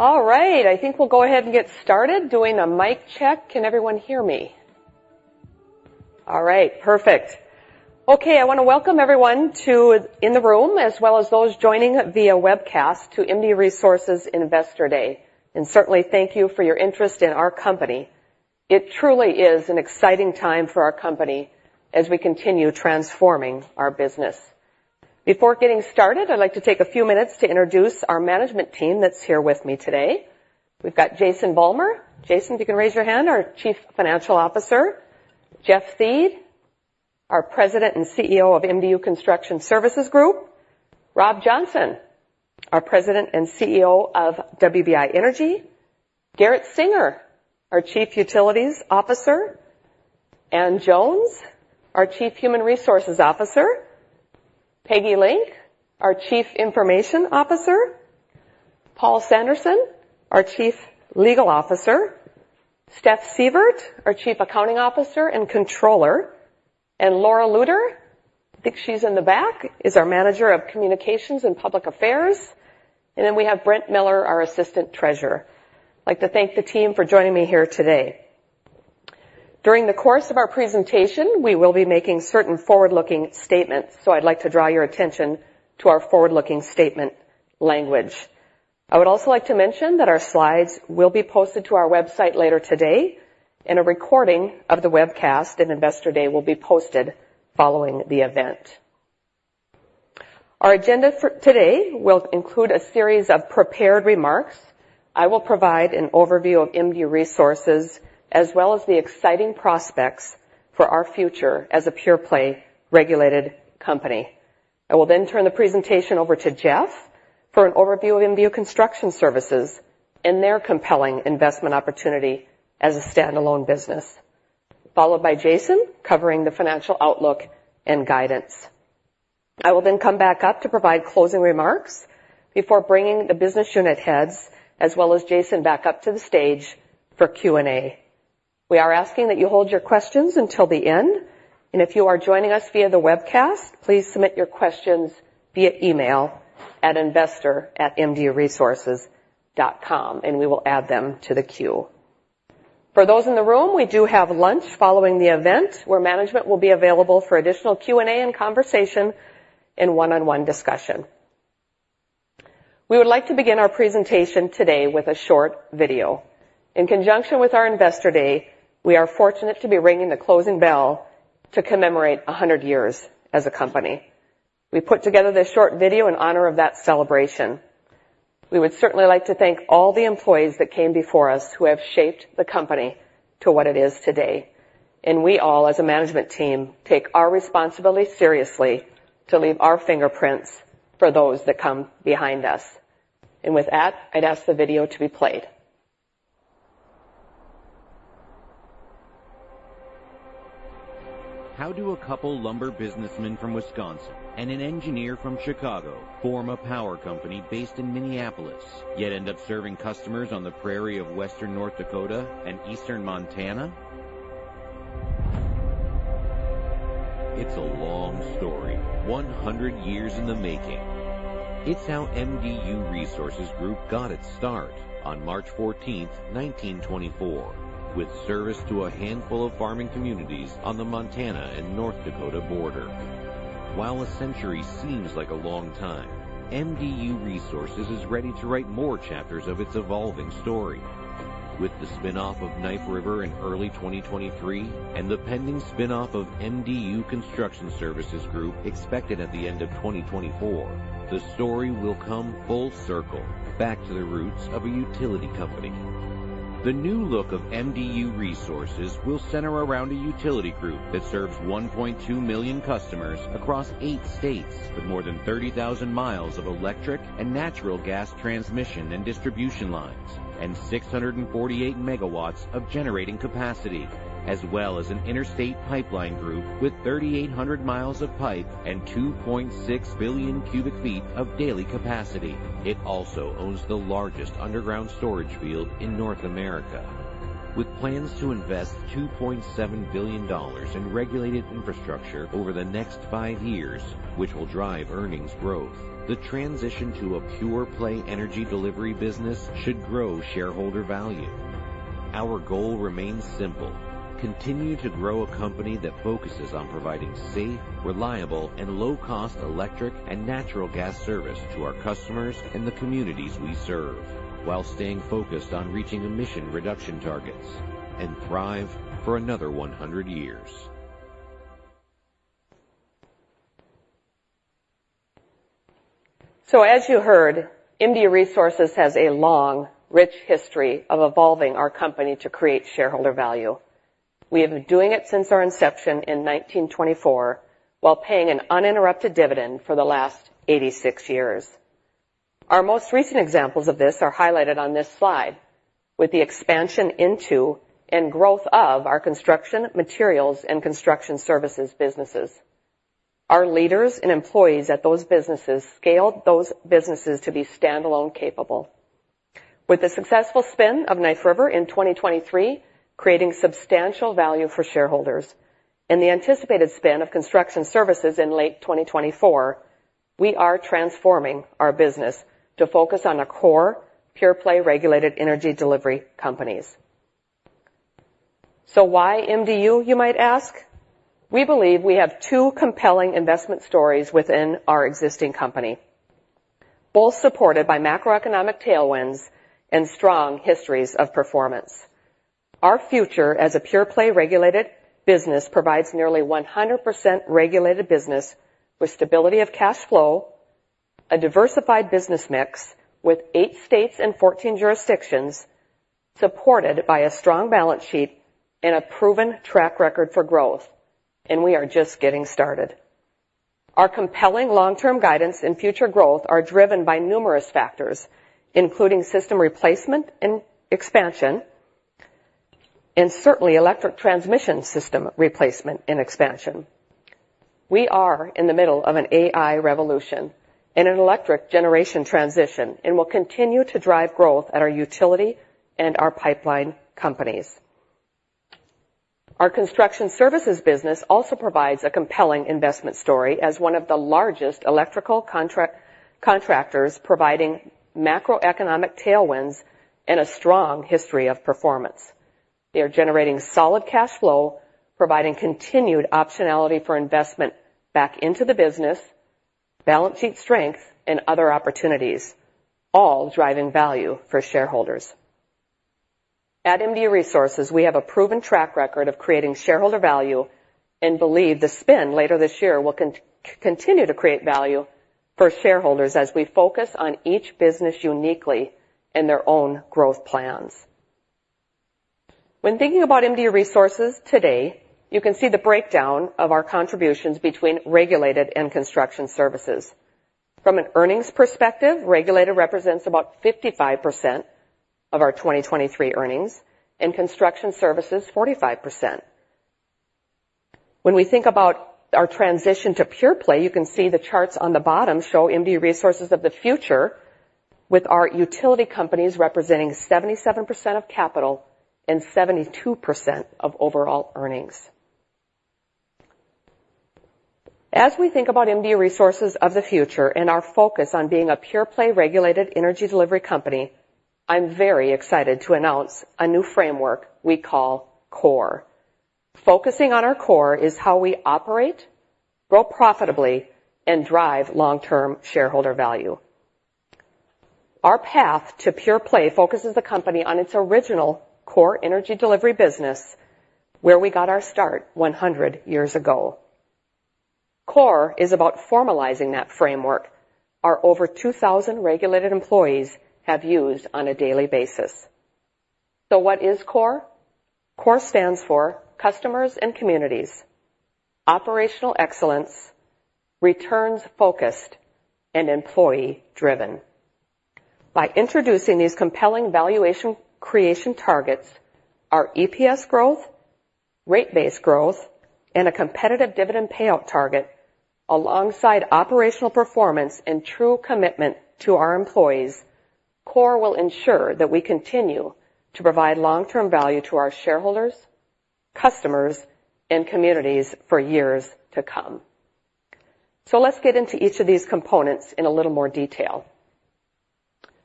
All right, I think we'll go ahead and get started doing a mic check. Can everyone hear me? All right, perfect. Okay, I want to welcome everyone in the room as well as those joining via webcast to MDU Resources Investor Day, and certainly thank you for your interest in our company. It truly is an exciting time for our company as we continue transforming our business. Before getting started, I'd like to take a few minutes to introduce our management team that's here with me today. We've got Jason Vollmer. Jason, if you can raise your hand, our Chief Financial Officer, Jeff Thiede, our President and CEO of MDU Construction Services Group, Rob Johnson, our President and CEO of WBI Energy, Garret Senger, our Chief Utilities Officer, Anne Jones, our Chief Human Resources Officer, Peggy Link, our Chief Information Officer, Paul Sanderson, our Chief Legal Officer, Steph Siewert, our Chief Accounting Officer and Controller, and Laura Lueder, I think she's in the back, is our Manager of Communications and Public Relations, and then we have Brent Miller, our Assistant Treasurer. I'd like to thank the team for joining me here today. During the course of our presentation, we will be making certain forward-looking statements, so I'd like to draw your attention to our forward-looking statement language. I would also like to mention that our slides will be posted to our website later today, and a recording of the webcast and Investor Day will be posted following the event. Our agenda for today will include a series of prepared remarks. I will provide an overview of MDU Resources as well as the exciting prospects for our future as a pure-play regulated company. I will then turn the presentation over to Jeff for an overview of MDU Construction Services and their compelling investment opportunity as a standalone business, followed by Jason covering the financial outlook and guidance. I will then come back up to provide closing remarks before bringing the business unit heads as well as Jason back up to the stage for Q&A. We are asking that you hold your questions until the end, and if you are joining us via the webcast, please submit your questions via email at investor@mduresources.com, and we will add them to the queue. For those in the room, we do have lunch following the event where management will be available for additional Q&A and conversation and one-on-one discussion. We would like to begin our presentation today with a short video. In conjunction with our Investor Day, we are fortunate to be ringing the closing bell to commemorate 100 years as a company. We put together this short video in honor of that celebration. We would certainly like to thank all the employees that came before us who have shaped the company to what it is today, and we all, as a management team, take our responsibility seriously to leave our fingerprints for those that come behind us. With that, I'd ask the video to be played. How do a couple lumber businessmen from Wisconsin and an engineer from Chicago form a power company based in Minneapolis, yet end up serving customers on the prairie of western North Dakota and eastern Montana? It's a long story, 100 years in the making. It's how MDU Resources Group got its start on March 14, 1924, with service to a handful of farming communities on the Montana and North Dakota border. While a century seems like a long time, MDU Resources is ready to write more chapters of its evolving story. With the spin-off of Knife River in early 2023 and the pending spin-off of MDU Construction Services Group expected at the end of 2024, the story will come full circle back to the roots of a utility company. The new look of MDU Resources will center around a utility group that serves 1.2 million customers across eight states with more than 30,000 mi of electric and natural gas transmission and distribution lines, and 648 MW of generating capacity, as well as an interstate pipeline group with 3,800 mi of pipe and 2.6 billion cu ft of daily capacity. It also owns the largest underground storage field in North America, with plans to invest $2.7 billion in regulated infrastructure over the next five years, which will drive earnings growth. The transition to a pure-play energy delivery business should grow shareholder value. Our goal remains simple: continue to grow a company that focuses on providing safe, reliable, and low-cost electric and natural gas service to our customers and the communities we serve, while staying focused on reaching emission reduction targets, and thrive for another 100 years. So as you heard, MDU Resources has a long, rich history of evolving our company to create shareholder value. We have been doing it since our inception in 1924 while paying an uninterrupted dividend for the last 86 years. Our most recent examples of this are highlighted on this slide, with the expansion into and growth of our construction materials and construction services businesses. Our leaders and employees at those businesses scaled those businesses to be standalone capable. With the successful spin of Knife River in 2023 creating substantial value for shareholders, and the anticipated spin of construction services in late 2024, we are transforming our business to focus on a core pure-play regulated energy delivery companies. So why MDU, you might ask? We believe we have two compelling investment stories within our existing company, both supported by macroeconomic tailwinds and strong histories of performance. Our future as a pure-play regulated business provides nearly 100% regulated business with stability of cash flow, a diversified business mix with eight states and 14 jurisdictions, supported by a strong balance sheet and a proven track record for growth, and we are just getting started. Our compelling long-term guidance and future growth are driven by numerous factors, including system replacement and expansion, and certainly electric transmission system replacement and expansion. We are in the middle of an AI revolution and an electric generation transition and will continue to drive growth at our utility and our pipeline companies. Our construction services business also provides a compelling investment story as one of the largest electrical contractors providing macroeconomic tailwinds and a strong history of performance. They are generating solid cash flow, providing continued optionality for investment back into the business, balance sheet strength, and other opportunities, all driving value for shareholders. At MDU Resources, we have a proven track record of creating shareholder value and believe the spin later this year will continue to create value for shareholders as we focus on each business uniquely and their own growth plans. When thinking about MDU Resources today, you can see the breakdown of our contributions between regulated and construction services. From an earnings perspective, regulated represents about 55% of our 2023 earnings, and construction services 45%. When we think about our transition to pure-play, you can see the charts on the bottom show MDU Resources of the future with our utility companies representing 77% of capital and 72% of overall earnings. As we think about MDU Resources of the future and our focus on being a pure-play regulated energy delivery company, I'm very excited to announce a new framework we call CORE. Focusing on our CORE is how we operate, grow profitably, and drive long-term shareholder value. Our path to pure-play focuses the company on its original CORE energy delivery business, where we got our start 100 years ago. CORE is about formalizing that framework our over 2,000 regulated employees have used on a daily basis. So what is CORE? CORE stands for Customers and Communities, Operational Excellence, Returns Focused, and Employee Driven. By introducing these compelling valuation creation targets, our EPS growth, rate-based growth, and a competitive dividend payout target, alongside operational performance and true commitment to our employees, CORE will ensure that we continue to provide long-term value to our shareholders, customers, and communities for years to come. So let's get into each of these components in a little more detail,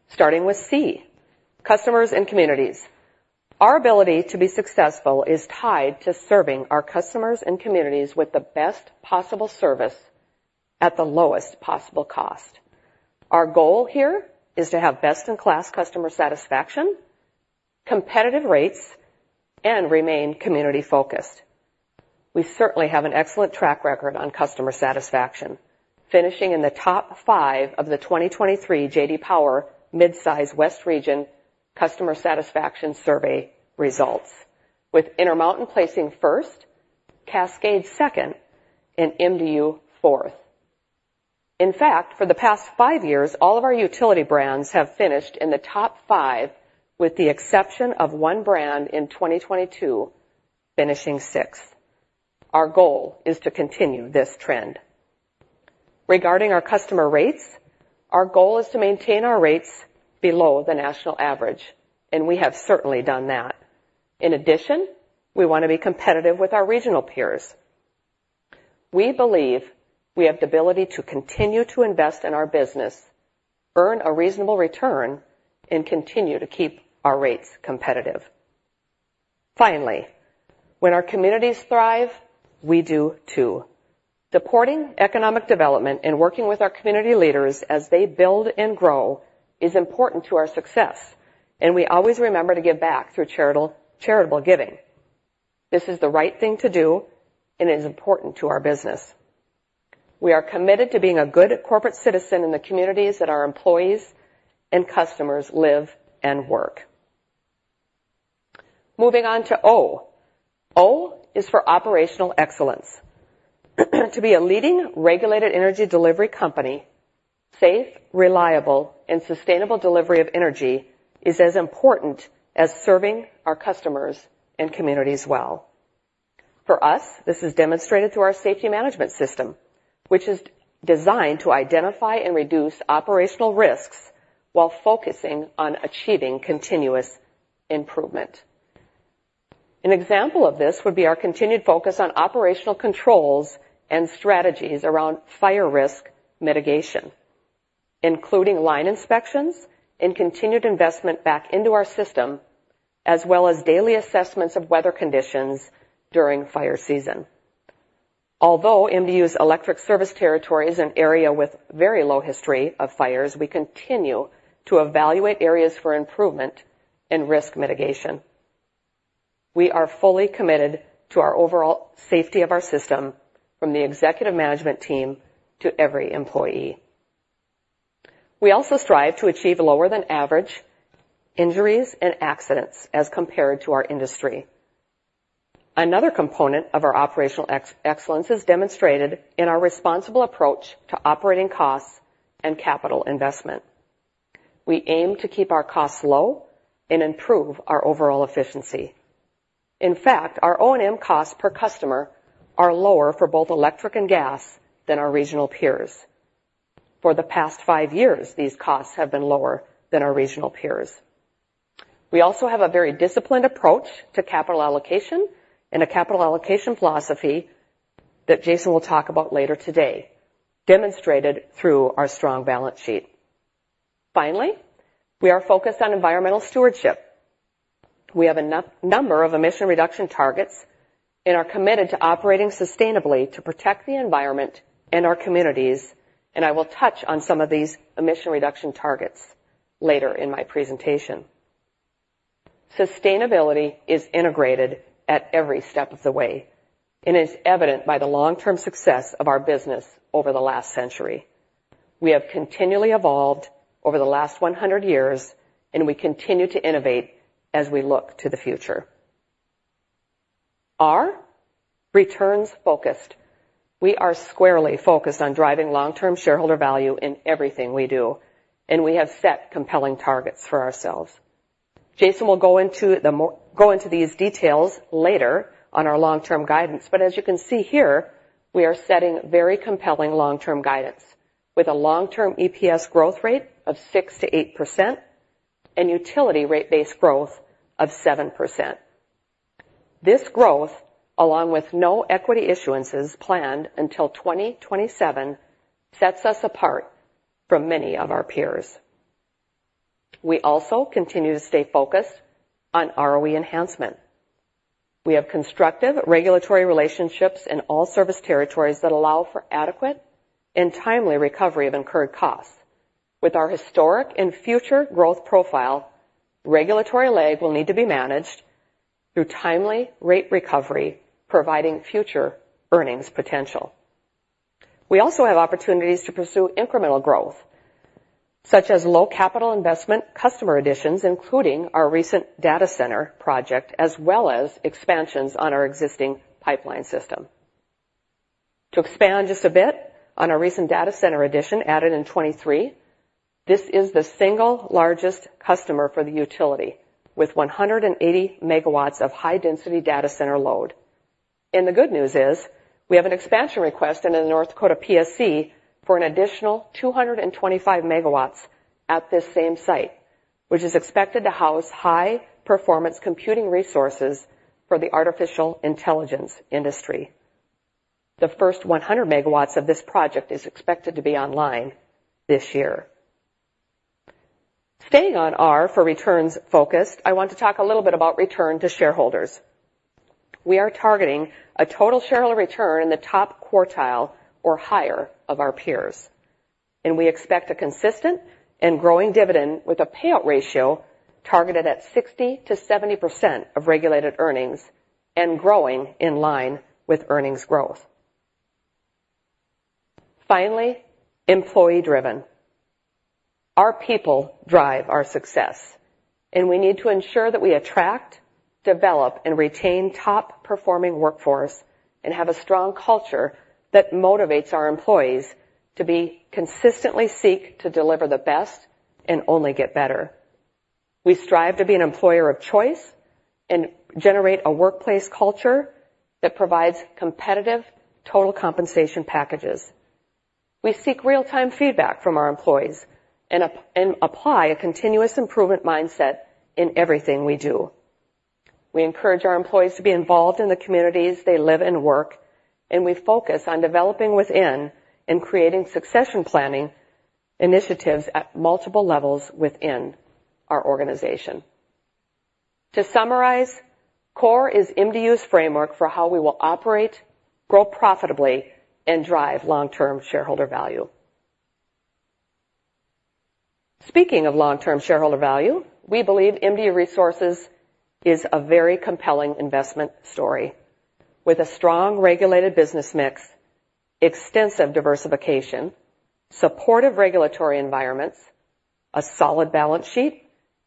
starting with C, Customers and Communities. Our ability to be successful is tied to serving our customers and communities with the best possible service at the lowest possible cost. Our goal here is to have best-in-class customer satisfaction, competitive rates, and remain community-focused. We certainly have an excellent track record on customer satisfaction, finishing in the top five of the 2023 JD Power Midsize West Region Customer Satisfaction Survey results, with Intermountain placing first, Cascade second, and MDU fourth. In fact, for the past five years, all of our utility brands have finished in the top, with the exception of one brand in 2022 finishing sixth. Our goal is to continue this trend. Regarding our customer rates, our goal is to maintain our rates below the national average, and we have certainly done that. In addition, we want to be competitive with our regional peers. We believe we have the ability to continue to invest in our business, earn a reasonable return, and continue to keep our rates competitive. Finally, when our communities thrive, we do too. Supporting economic development and working with our community leaders as they build and grow is important to our success, and we always remember to give back through charitable giving. This is the right thing to do, and it is important to our business. We are committed to being a good corporate citizen in the communities that our employees and customers live and work. Moving on to O. O is for Operational Excellence. To be a leading regulated energy delivery company, safe, reliable, and sustainable delivery of energy is as important as serving our customers and communities well. For us, this is demonstrated through our safety management system, which is designed to identify and reduce operational risks while focusing on achieving continuous improvement. An example of this would be our continued focus on operational controls and strategies around fire risk mitigation, including line inspections and continued investment back into our system, as well as daily assessments of weather conditions during fire season. Although MDU's electric service territory is an area with very low history of fires, we continue to evaluate areas for improvement and risk mitigation. We are fully committed to our overall safety of our system, from the executive management team to every employee. We also strive to achieve lower-than-average injuries and accidents as compared to our industry. Another component of our operational excellence is demonstrated in our responsible approach to operating costs and capital investment. We aim to keep our costs low and improve our overall efficiency. In fact, our O&M costs per customer are lower for both electric and gas than our regional peers. For the past five years, these costs have been lower than our regional peers. We also have a very disciplined approach to capital allocation and a capital allocation philosophy that Jason will talk about later today, demonstrated through our strong balance sheet. Finally, we are focused on environmental stewardship. We have a number of emission reduction targets, and are committed to operating sustainably to protect the environment and our communities, and I will touch on some of these emission reduction targets later in my presentation. Sustainability is integrated at every step of the way, and is evident by the long-term success of our business over the last century. We have continually evolved over the last 100 years, and we continue to innovate as we look to the future. R, Returns Focused. We are squarely focused on driving long-term shareholder value in everything we do, and we have set compelling targets for ourselves. Jason will go into these details later on our long-term guidance, but as you can see here, we are setting very compelling long-term guidance with a long-term EPS growth rate of 6%-8% and utility rate-based growth of 7%. This growth, along with no equity issuances planned until 2027, sets us apart from many of our peers. We also continue to stay focused on ROE enhancement. We have constructive regulatory relationships in all service territories that allow for adequate and timely recovery of incurred costs. With our historic and future growth profile, regulatory lag will need to be managed through timely rate recovery, providing future earnings potential. We also have opportunities to pursue incremental growth, such as low-capital investment customer additions, including our recent data center project, as well as expansions on our existing pipeline system. To expand just a bit on our recent data center addition added in 2023, this is the single largest customer for the utility, with 180 MW of high-density data center load. The good news is we have an expansion request in the North Dakota PSC for an additional 225 MW at this same site, which is expected to house high-performance computing resources for the artificial intelligence industry. The first 100 MW of this project is expected to be online this year. Staying on R for Returns Focused, I want to talk a little bit about return to shareholders. We are targeting a total shareholder return in the top quartile or higher of our peers, and we expect a consistent and growing dividend with a payout ratio targeted at 60%-70% of regulated earnings and growing in line with earnings growth. Finally, Employee Driven. Our people drive our success, and we need to ensure that we attract, develop, and retain top-performing workforce and have a strong culture that motivates our employees to consistently seek to deliver the best and only get better. We strive to be an employer of choice and generate a workplace culture that provides competitive total compensation packages. We seek real-time feedback from our employees and apply a continuous improvement mindset in everything we do. We encourage our employees to be involved in the communities they live and work, and we focus on developing within and creating succession planning initiatives at multiple levels within our organization. To summarize, CORE is MDU's framework for how we will operate, grow profitably, and drive long-term shareholder value. Speaking of long-term shareholder value, we believe MDU Resources is a very compelling investment story, with a strong regulated business mix, extensive diversification, supportive regulatory environments, a solid balance sheet,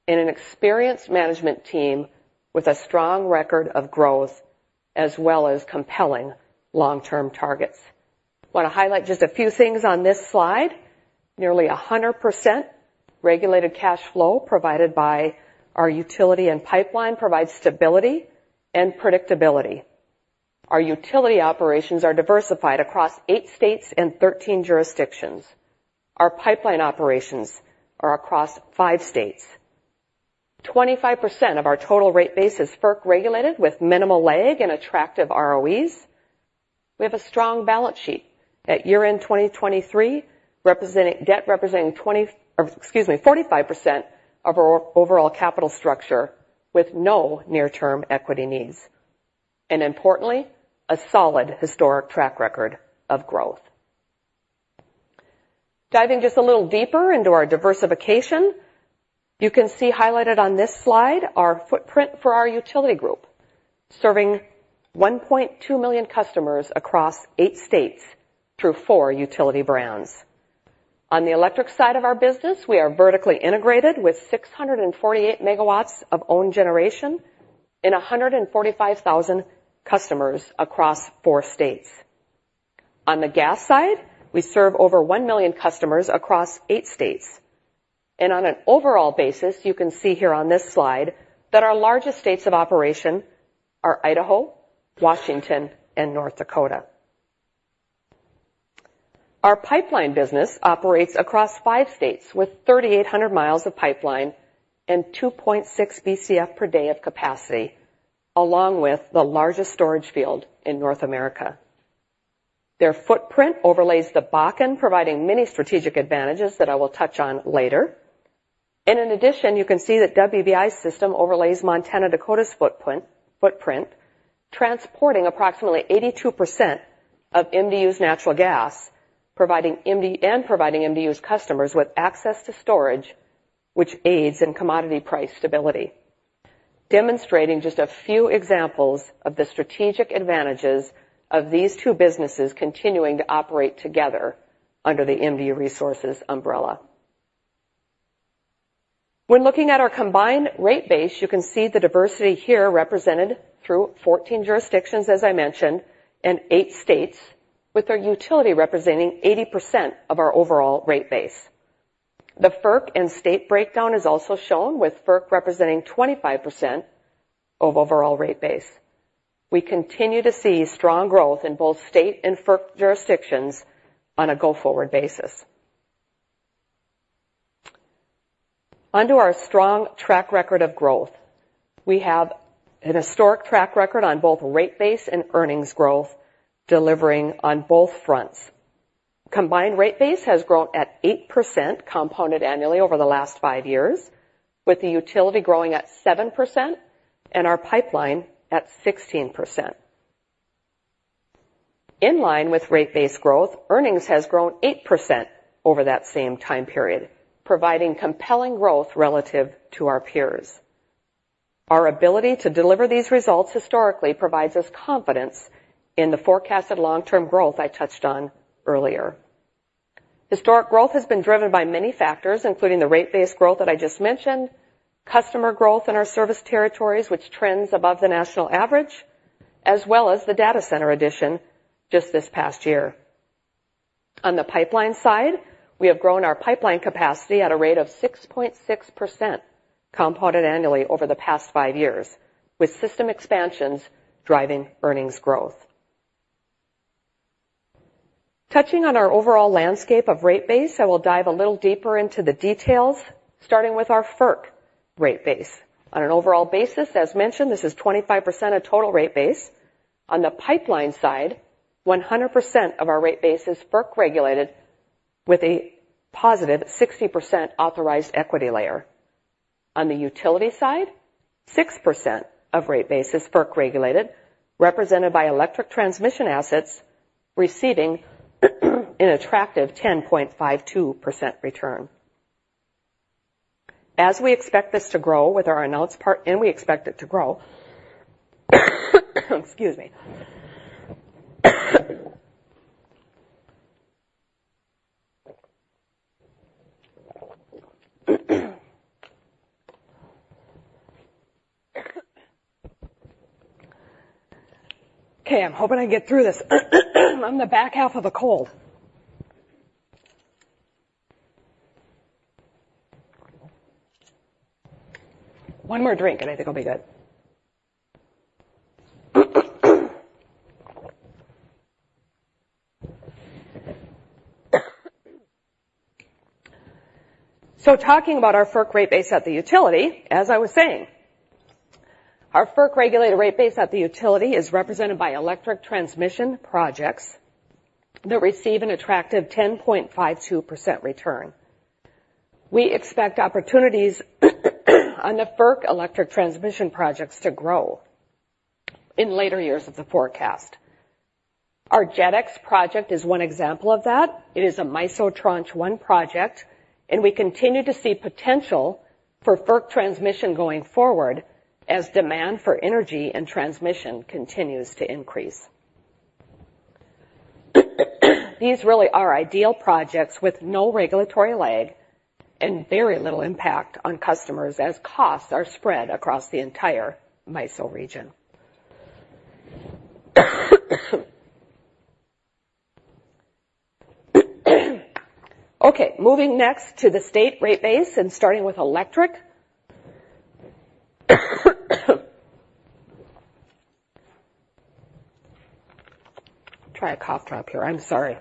and an experienced management team with a strong record of growth, as well as compelling long-term targets. I want to highlight just a few things on this slide. Nearly 100% regulated cash flow provided by our utility and pipeline provides stability and predictability. Our utility operations are diversified across eight states and 13 jurisdictions. Our pipeline operations are across five states. 25% of our total rate base is FERC regulated with minimal lag and attractive ROEs. We have a strong balance sheet at year-end 2023, debt representing 45% of our overall capital structure, with no near-term equity needs, and importantly, a solid historic track record of growth. Diving just a little deeper into our diversification, you can see highlighted on this slide our footprint for our utility group, serving 1.2 million customers across eight states through four utility brands. On the electric side of our business, we are vertically integrated with 648 megawatts of own generation and 145,000 customers across four states. On the gas side, we serve over 1 million customers across eight states. On an overall basis, you can see here on this slide that our largest states of operation are Idaho, Washington, and North Dakota. Our pipeline business operates across five states with 3,800 mi of pipeline and 2.6 BCF per day of capacity, along with the largest storage field in North America. Their footprint overlays the Bakken, providing many strategic advantages that I will touch on later. In addition, you can see that WBI's system overlays Montana-Dakota's footprint, transporting approximately 82% of MDU's natural gas and providing MDU's customers with access to storage, which aids in commodity price stability. Demonstrating just a few examples of the strategic advantages of these two businesses continuing to operate together under the MDU Resources umbrella. When looking at our combined rate base, you can see the diversity here represented through 14 jurisdictions, as I mentioned, and eight states, with our utility representing 80% of our overall rate base. The FERC and state breakdown is also shown, with FERC representing 25% of overall rate base. We continue to see strong growth in both state and FERC jurisdictions on a go-forward basis. Onto our strong track record of growth. We have an historic track record on both rate base and earnings growth, delivering on both fronts. Combined rate base has grown at 8% compounded annually over the last five years, with the utility growing at 7% and our pipeline at 16%. In line with rate base growth, earnings has grown 8% over that same time period, providing compelling growth relative to our peers. Our ability to deliver these results historically provides us confidence in the forecasted long-term growth I touched on earlier. Historic growth has been driven by many factors, including the rate base growth that I just mentioned, customer growth in our service territories, which trends above the national average, as well as the data center addition just this past year. On the pipeline side, we have grown our pipeline capacity at a rate of 6.6% compounded annually over the past 5 years, with system expansions driving earnings growth. Touching on our overall landscape of rate base, I will dive a little deeper into the details, starting with our FERC rate base. On an overall basis, as mentioned, this is 25% of total rate base. On the pipeline side, 100% of our rate base is FERC regulated, with a positive 60% authorized equity layer. On the utility side, 6% of rate base is FERC regulated, represented by electric transmission assets receiving an attractive 10.52% return. As we expect this to grow with our announced part, and we expect it to grow, excuse me. Okay, I'm hoping I get through this. I'm the back half of a cold. One more drink, and I think I'll be good. Talking about our FERC rate base at the utility, as I was saying, our FERC regulated rate base at the utility is represented by electric transmission projects that receive an attractive 10.52% return. We expect opportunities on the FERC electric transmission projects to grow in later years of the forecast. Our JETx project is one example of that. It is a MISO Tranche One project, and we continue to see potential for FERC transmission going forward as demand for energy and transmission continues to increase. These really are ideal projects with no regulatory lag and very little impact on customers as costs are spread across the entire MISO region. Okay, moving next to the state rate base and starting with electric. Try a cough drop here. I'm sorry.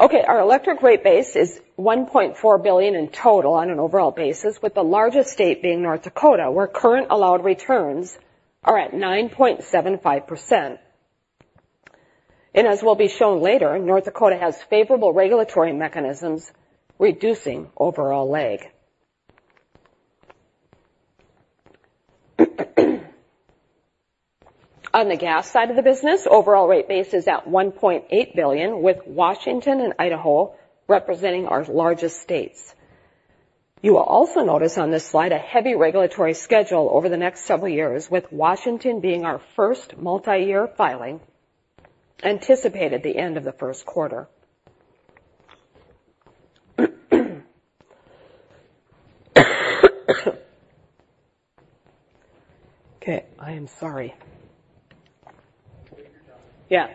Okay, our electric rate base is $1.4 billion in total on an overall basis, with the largest state being North Dakota, where current allowed returns are at 9.75%. As will be shown later, North Dakota has favorable regulatory mechanisms reducing overall lag. On the gas side of the business, overall rate base is at $1.8 billion, with Washington and Idaho representing our largest states. You will also notice on this slide a heavy regulatory schedule over the next several years, with Washington being our first multi-year filing, anticipated the end of the first quarter. Okay, I am sorry. Yeah.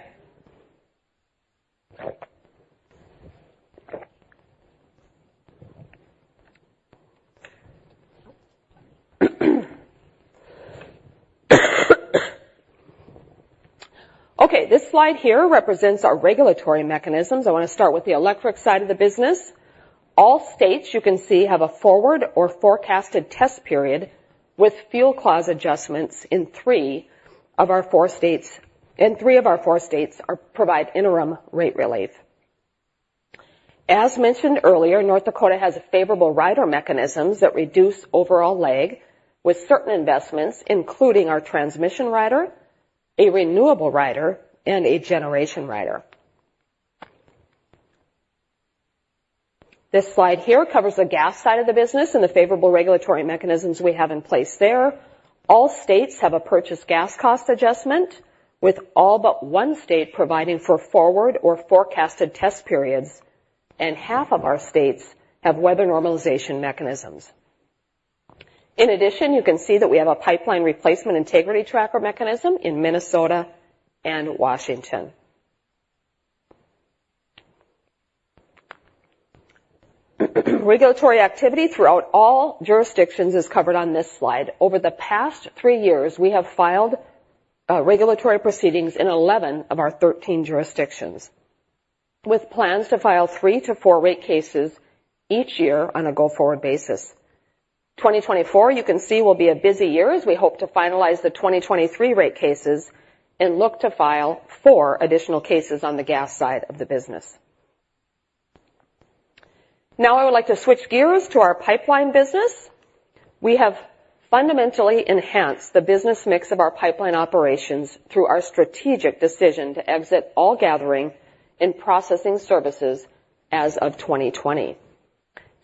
Okay, this slide here represents our regulatory mechanisms. I want to start with the electric side of the business. All states, you can see, have a forward or forecasted test period with fuel clause adjustments in three of our four states, and three of our four states provide interim rate relief. As mentioned earlier, North Dakota has favorable rider mechanisms that reduce overall lag, with certain investments, including our transmission rider, a renewable rider, and a generation rider. This slide here covers the gas side of the business and the favorable regulatory mechanisms we have in place there. All states have a purchase gas cost adjustment, with all but one state providing for forward or forecasted test periods, and half of our states have weather normalization mechanisms. In addition, you can see that we have a pipeline replacement integrity tracker mechanism in Minnesota and Washington. Regulatory activity throughout all jurisdictions is covered on this slide. Over the past three years, we have filed regulatory proceedings in 11 of our 13 jurisdictions, with plans to file three to four rate cases each year on a go-forward basis. 2024, you can see, will be a busy year as we hope to finalize the 2023 rate cases and look to file four additional cases on the gas side of the business. Now I would like to switch gears to our pipeline business. We have fundamentally enhanced the business mix of our pipeline operations through our strategic decision to exit all gathering and processing services as of 2020.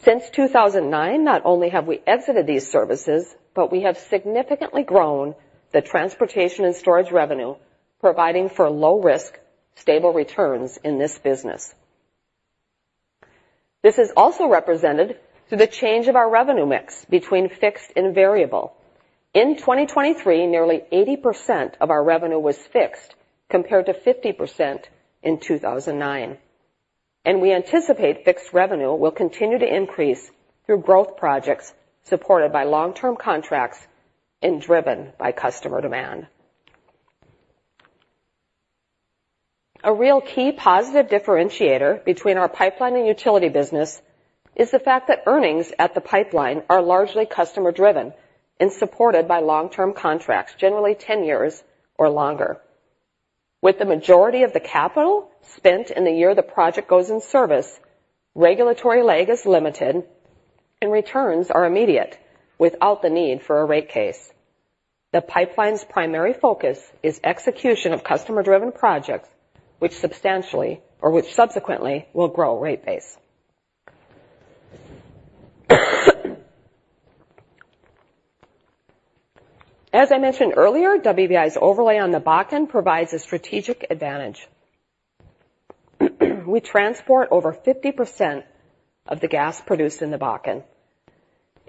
Since 2009, not only have we exited these services, but we have significantly grown the transportation and storage revenue, providing for low-risk, stable returns in this business. This is also represented through the change of our revenue mix between fixed and variable. In 2023, nearly 80% of our revenue was fixed compared to 50% in 2009. We anticipate fixed revenue will continue to increase through growth projects supported by long-term contracts and driven by customer demand. A real key positive differentiator between our pipeline and utility business is the fact that earnings at the pipeline are largely customer-driven and supported by long-term contracts, generally 10 years or longer. With the majority of the capital spent in the year the project goes in service, regulatory lag is limited, and returns are immediate, without the need for a rate case. The pipeline's primary focus is execution of customer-driven projects, which substantially or which subsequently will grow rate base. As I mentioned earlier, WBI's overlay on the Bakken provides a strategic advantage. We transport over 50% of the gas produced in the Bakken.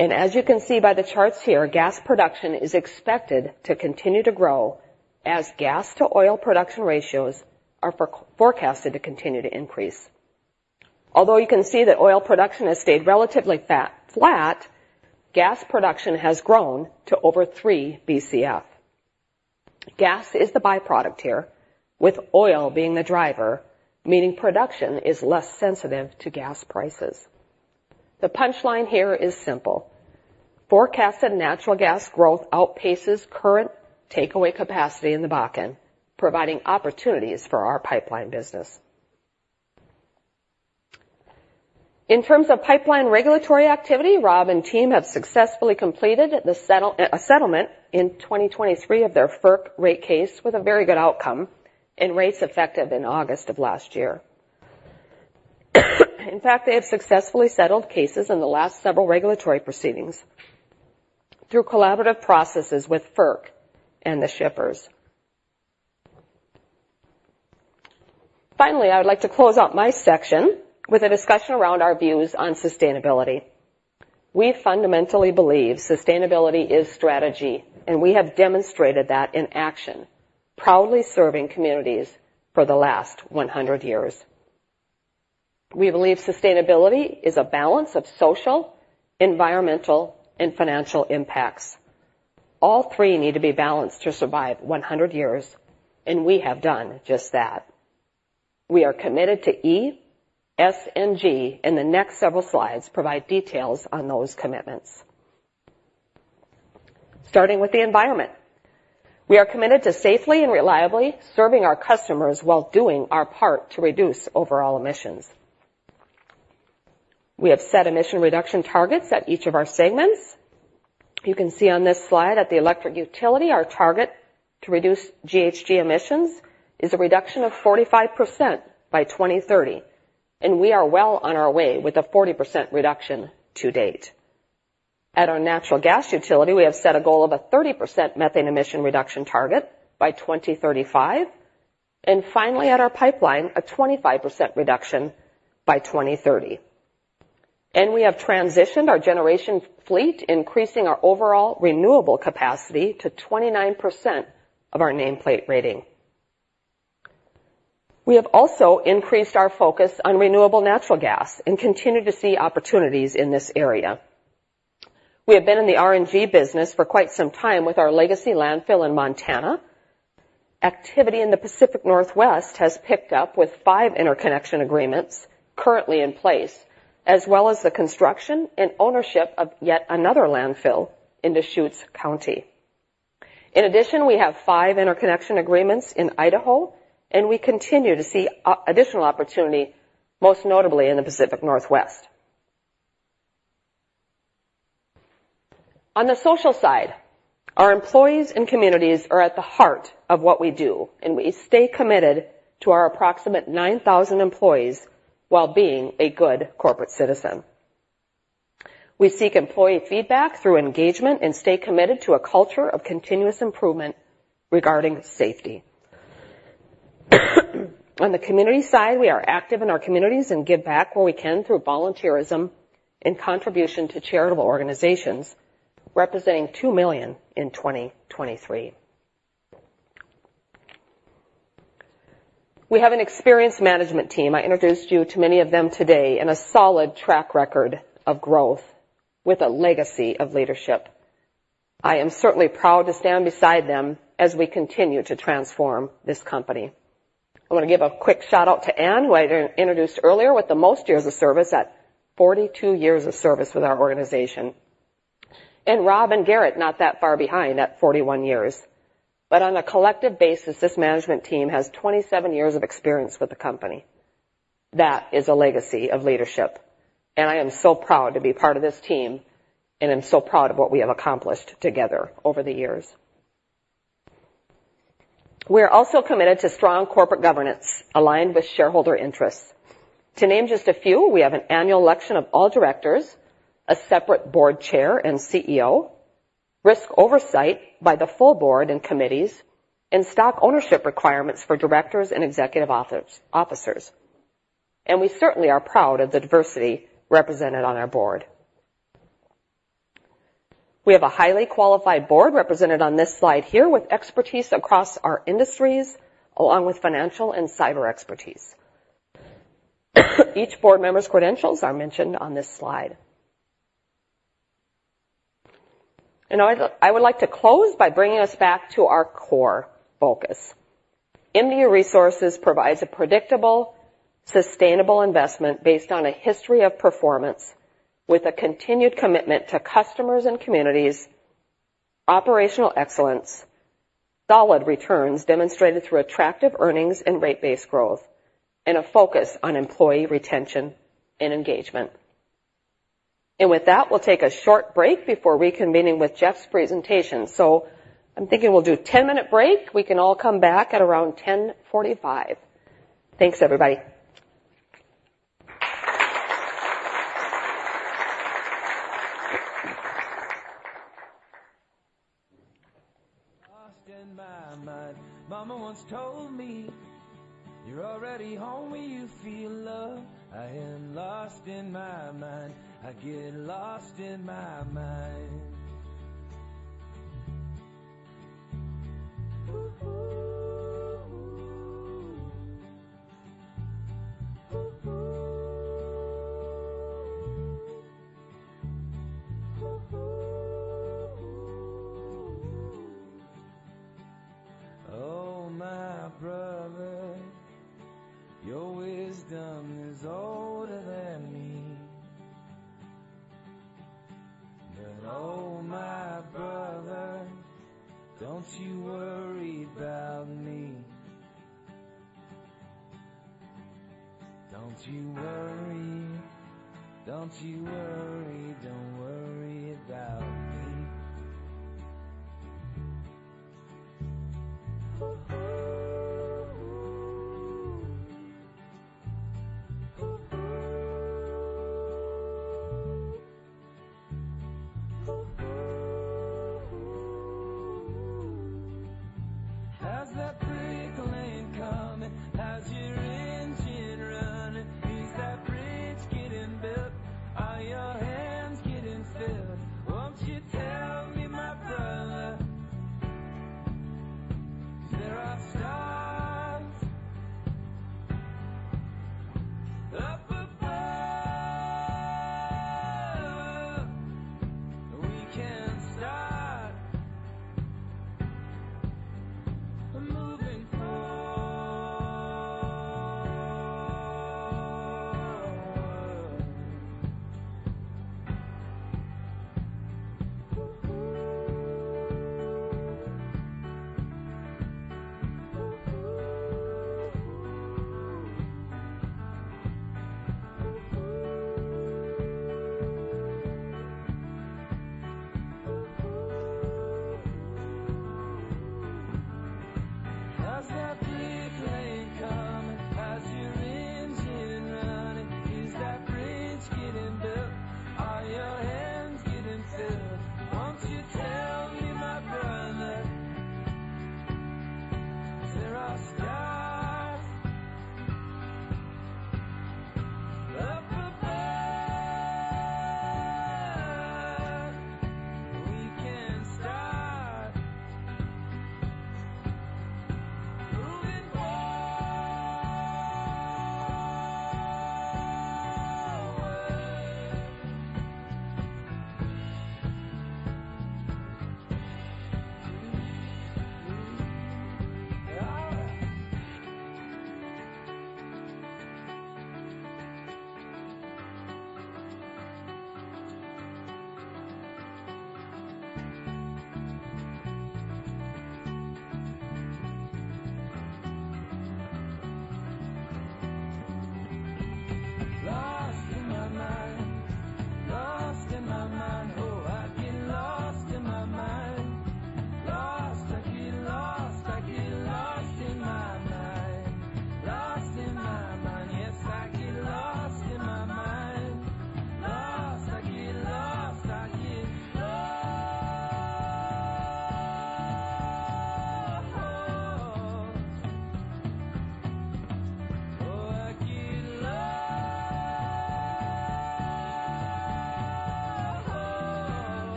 As you can see by the charts here, gas production is expected to continue to grow as gas-to-oil production ratios are forecasted to continue to increase. Although you can see that oil production has stayed relatively flat, gas production has grown to over 3 BCF. Gas is the byproduct here, with oil being the driver, meaning production is less sensitive to gas prices. The punchline here is simple. Forecasted natural gas growth outpaces current takeaway capacity in the Bakken, providing opportunities for our pipeline business. In terms of pipeline regulatory activity, Rob and team have successfully completed a settlement in 2023 of their FERC rate case with a very good outcome and rates effective in August of last year. In fact, they have successfully settled cases in the last several regulatory proceedings through collaborative processes with FERC and the shippers. Finally, I would like to close out my section with a discussion around our views on sustainability. We fundamentally believe sustainability is strategy, and we have demonstrated that in action, proudly serving communities for the last 100 years. We believe sustainability is a balance of social, environmental, and financial impacts. All three need to be balanced to survive 100 years, and we have done just that. We are committed to E, S, and G. The next several slides provide details on those commitments. Starting with the environment. We are committed to safely and reliably serving our customers while doing our part to reduce overall emissions. We have set emission reduction targets at each of our segments. You can see on this slide at the electric utility, our target to reduce GHG emissions is a reduction of 45% by 2030, and we are well on our way with a 40% reduction to date. At our natural gas utility, we have set a goal of a 30% methane emission reduction target by 2035, and finally, at our pipeline, a 25% reduction by 2030. We have transitioned our generation fleet, increasing our overall renewable capacity to 29% of our nameplate rating. We have also increased our focus on renewable natural gas and continue to see opportunities in this area. We have been in the RNG business for quite some time with our legacy landfill in Montana. Activity in the Pacific Northwest has picked up with five interconnection agreements currently in place, as well as the construction and ownership of yet another landfill in Deschutes County. In addition, we have five interconnection agreements in Idaho, and we continue to see additional opportunity, most notably in the Pacific Northwest. On the social side, our employees and communities are at the heart of what we do, and we stay committed to our approximate 9,000 employees while being a good corporate citizen. We seek employee feedback through engagement and stay committed to a culture of continuous improvement regarding safety. On the community side, we are active in our communities and give back where we can through volunteerism and contribution to charitable organizations, representing $2 million in 2023. We have an experienced management team. I introduced you to many of them today and a solid track record of growth with a legacy of leadership. I am certainly proud to stand beside them as we continue to transform this company. I want to give a quick shout-out to Ann, who I introduced earlier with the most years of service at 42 years of service with our organization. And Rob and Garret, not that far behind at 41 years. But on a collective basis, this management team has 27 years of experience with the company. That is a legacy of leadership. And I am so proud to be part of this team, and I'm so proud of what we have accomplished together over the years. We are also committed to strong corporate governance aligned with shareholder interests. To name just a few, we have an annual election of all directors, a separate board chair and CEO, risk oversight by the full board and committees, and stock ownership requirements for directors and executive officers. And we certainly are proud of the diversity represented on our board. We have a highly qualified board represented on this slide here with expertise across our industries, along with financial and cyber expertise. Each board member's credentials are mentioned on this slide. I would like to close by bringing us back to our core focus. MDU Resources provides a predictable, sustainable investment based on a history of performance with a continued commitment to customers and communities, operational excellence, solid returns demonstrated through attractive earnings and rate-based growth, and a focus on employee retention and engagement. With that, we'll take a short break before reconvening with Jeff's presentation. So I'm thinking we'll do a 10-minute break. We can all come back at around 10:45 A.M. Thanks, everybody. All right.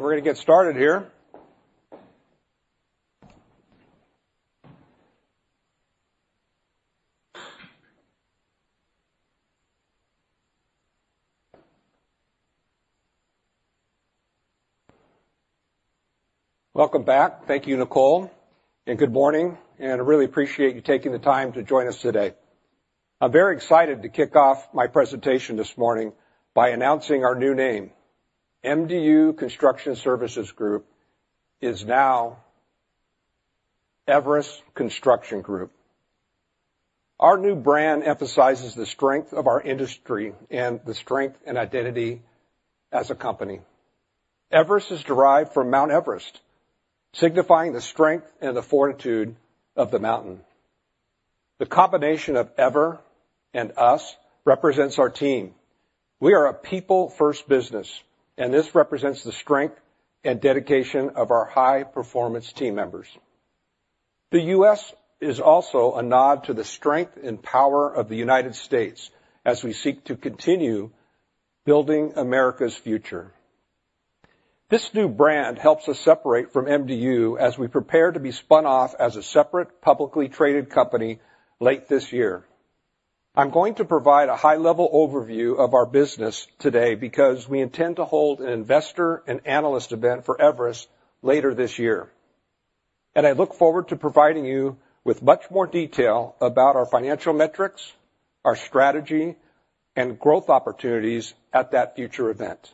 We're going to get started here. Welcome back. Thank you, Nicole, and good morning. I really appreciate you taking the time to join us today. I'm very excited to kick off my presentation this morning by announcing our new name. MDU Construction Services Group is now Everus Construction Group. Our new brand emphasizes the strength of our industry and the strength and identity as a company. Everus is derived from Mount Everest, signifying the strength and the fortitude of the mountain. The combination of ever and us represents our team. We are a people-first business, and this represents the strength and dedication of our high-performance team members. The U.S. is also a nod to the strength and power of the United States as we seek to continue building America's future. This new brand helps us separate from MDU as we prepare to be spun off as a separate publicly traded company late this year. I'm going to provide a high-level overview of our business today because we intend to hold an investor and analyst event for Everus later this year. I look forward to providing you with much more detail about our financial metrics, our strategy, and growth opportunities at that future event.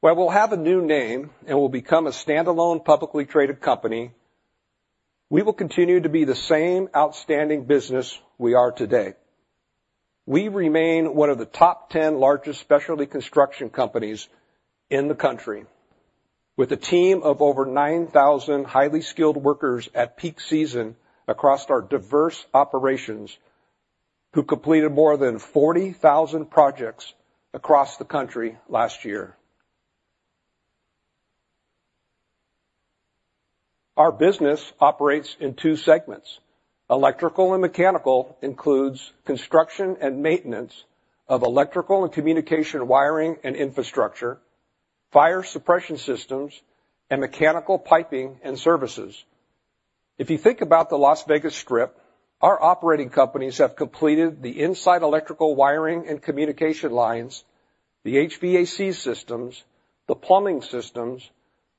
While we'll have a new name and we'll become a standalone publicly traded company, we will continue to be the same outstanding business we are today. We remain one of the top 10 largest specialty construction companies in the country with a team of over 9,000 highly skilled workers at peak season across our diverse operations who completed more than 40,000 projects across the country last year. Our business operates in two segments. Electrical and mechanical includes construction and maintenance of electrical and communication wiring and infrastructure, fire suppression systems, and mechanical piping and services. If you think about the Las Vegas Strip, our operating companies have completed the inside electrical wiring and communication lines, the HVAC systems, the plumbing systems,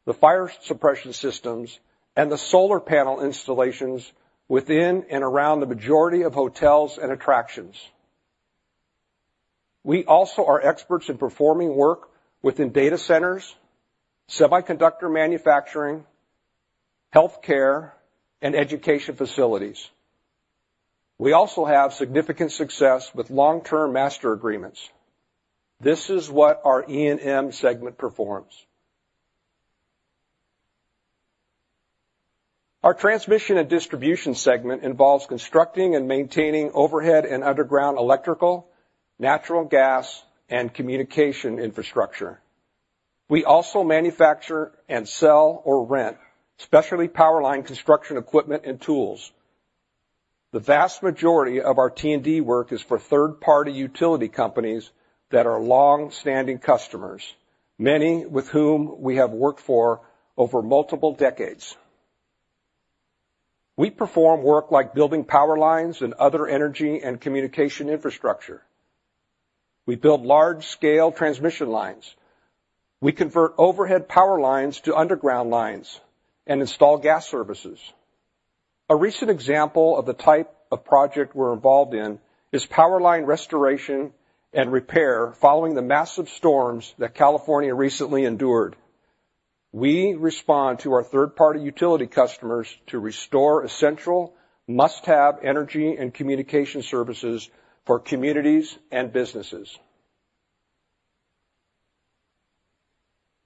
the fire suppression systems, and the solar panel installations within and around the majority of hotels and attractions. We also are experts in performing work within data centers, semiconductor manufacturing, healthcare, and education facilities. We also have significant success with long-term master agreements. This is what our E&M segment performs. Our transmission and distribution segment involves constructing and maintaining overhead and underground electrical, natural gas, and communication infrastructure. We also manufacture and sell or rent specialty power line construction equipment and tools. The vast majority of our T&D work is for third-party utility companies that are longstanding customers, many with whom we have worked for over multiple decades. We perform work like building power lines and other energy and communication infrastructure. We build large-scale transmission lines. We convert overhead power lines to underground lines and install gas services. A recent example of the type of project we're involved in is power line restoration and repair following the massive storms that California recently endured. We respond to our third-party utility customers to restore essential, must-have energy and communication services for communities and businesses.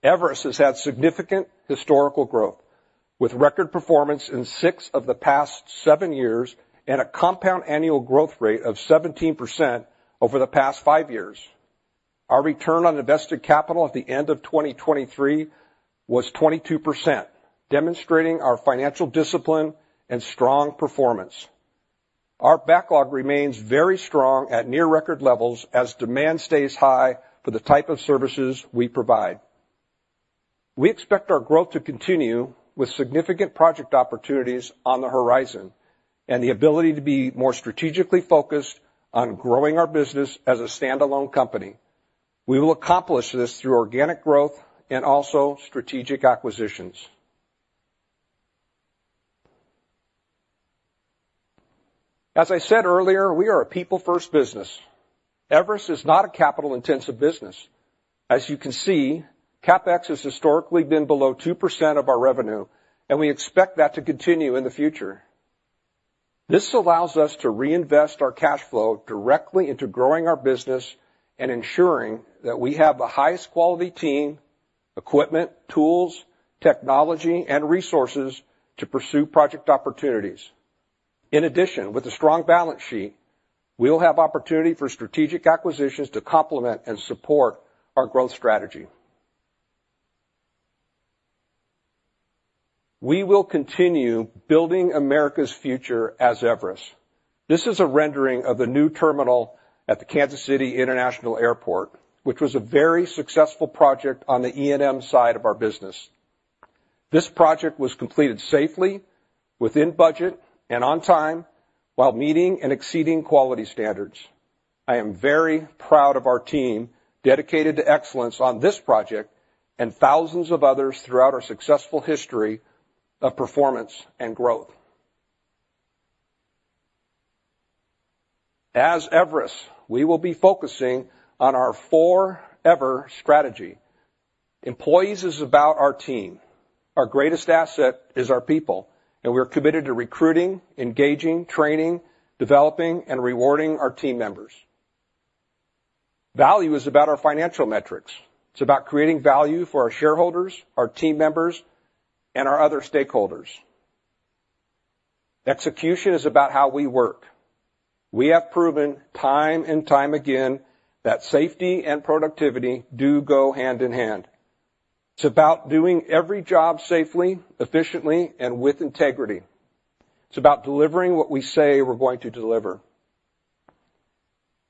Everus has had significant historical growth with record performance in six of the past seven years and a compound annual growth rate of 17% over the past five years. Our return on invested capital at the end of 2023 was 22%, demonstrating our financial discipline and strong performance. Our backlog remains very strong at near-record levels as demand stays high for the type of services we provide. We expect our growth to continue with significant project opportunities on the horizon and the ability to be more strategically focused on growing our business as a standalone company. We will accomplish this through organic growth and also strategic acquisitions. As I said earlier, we are a people-first business. Everus is not a capital-intensive business. As you can see, CapEx has historically been below 2% of our revenue, and we expect that to continue in the future. This allows us to reinvest our cash flow directly into growing our business and ensuring that we have the highest quality team, equipment, tools, technology, and resources to pursue project opportunities. In addition, with a strong balance sheet, we'll have opportunity for strategic acquisitions to complement and support our growth strategy. We will continue building America's future as Everus. This is a rendering of the new terminal at the Kansas City International Airport, which was a very successful project on the E&M side of our business. This project was completed safely, within budget, and on time while meeting and exceeding quality standards. I am very proud of our team dedicated to excellence on this project and thousands of others throughout our successful history of performance and growth. As Everus, we will be focusing on our 4EVER strategy. Employees is about our team. Our greatest asset is our people, and we're committed to recruiting, engaging, training, developing, and rewarding our team members. Value is about our financial metrics. It's about creating value for our shareholders, our team members, and our other stakeholders. Execution is about how we work. We have proven time and time again that safety and productivity do go hand in hand. It's about doing every job safely, efficiently, and with integrity. It's about delivering what we say we're going to deliver.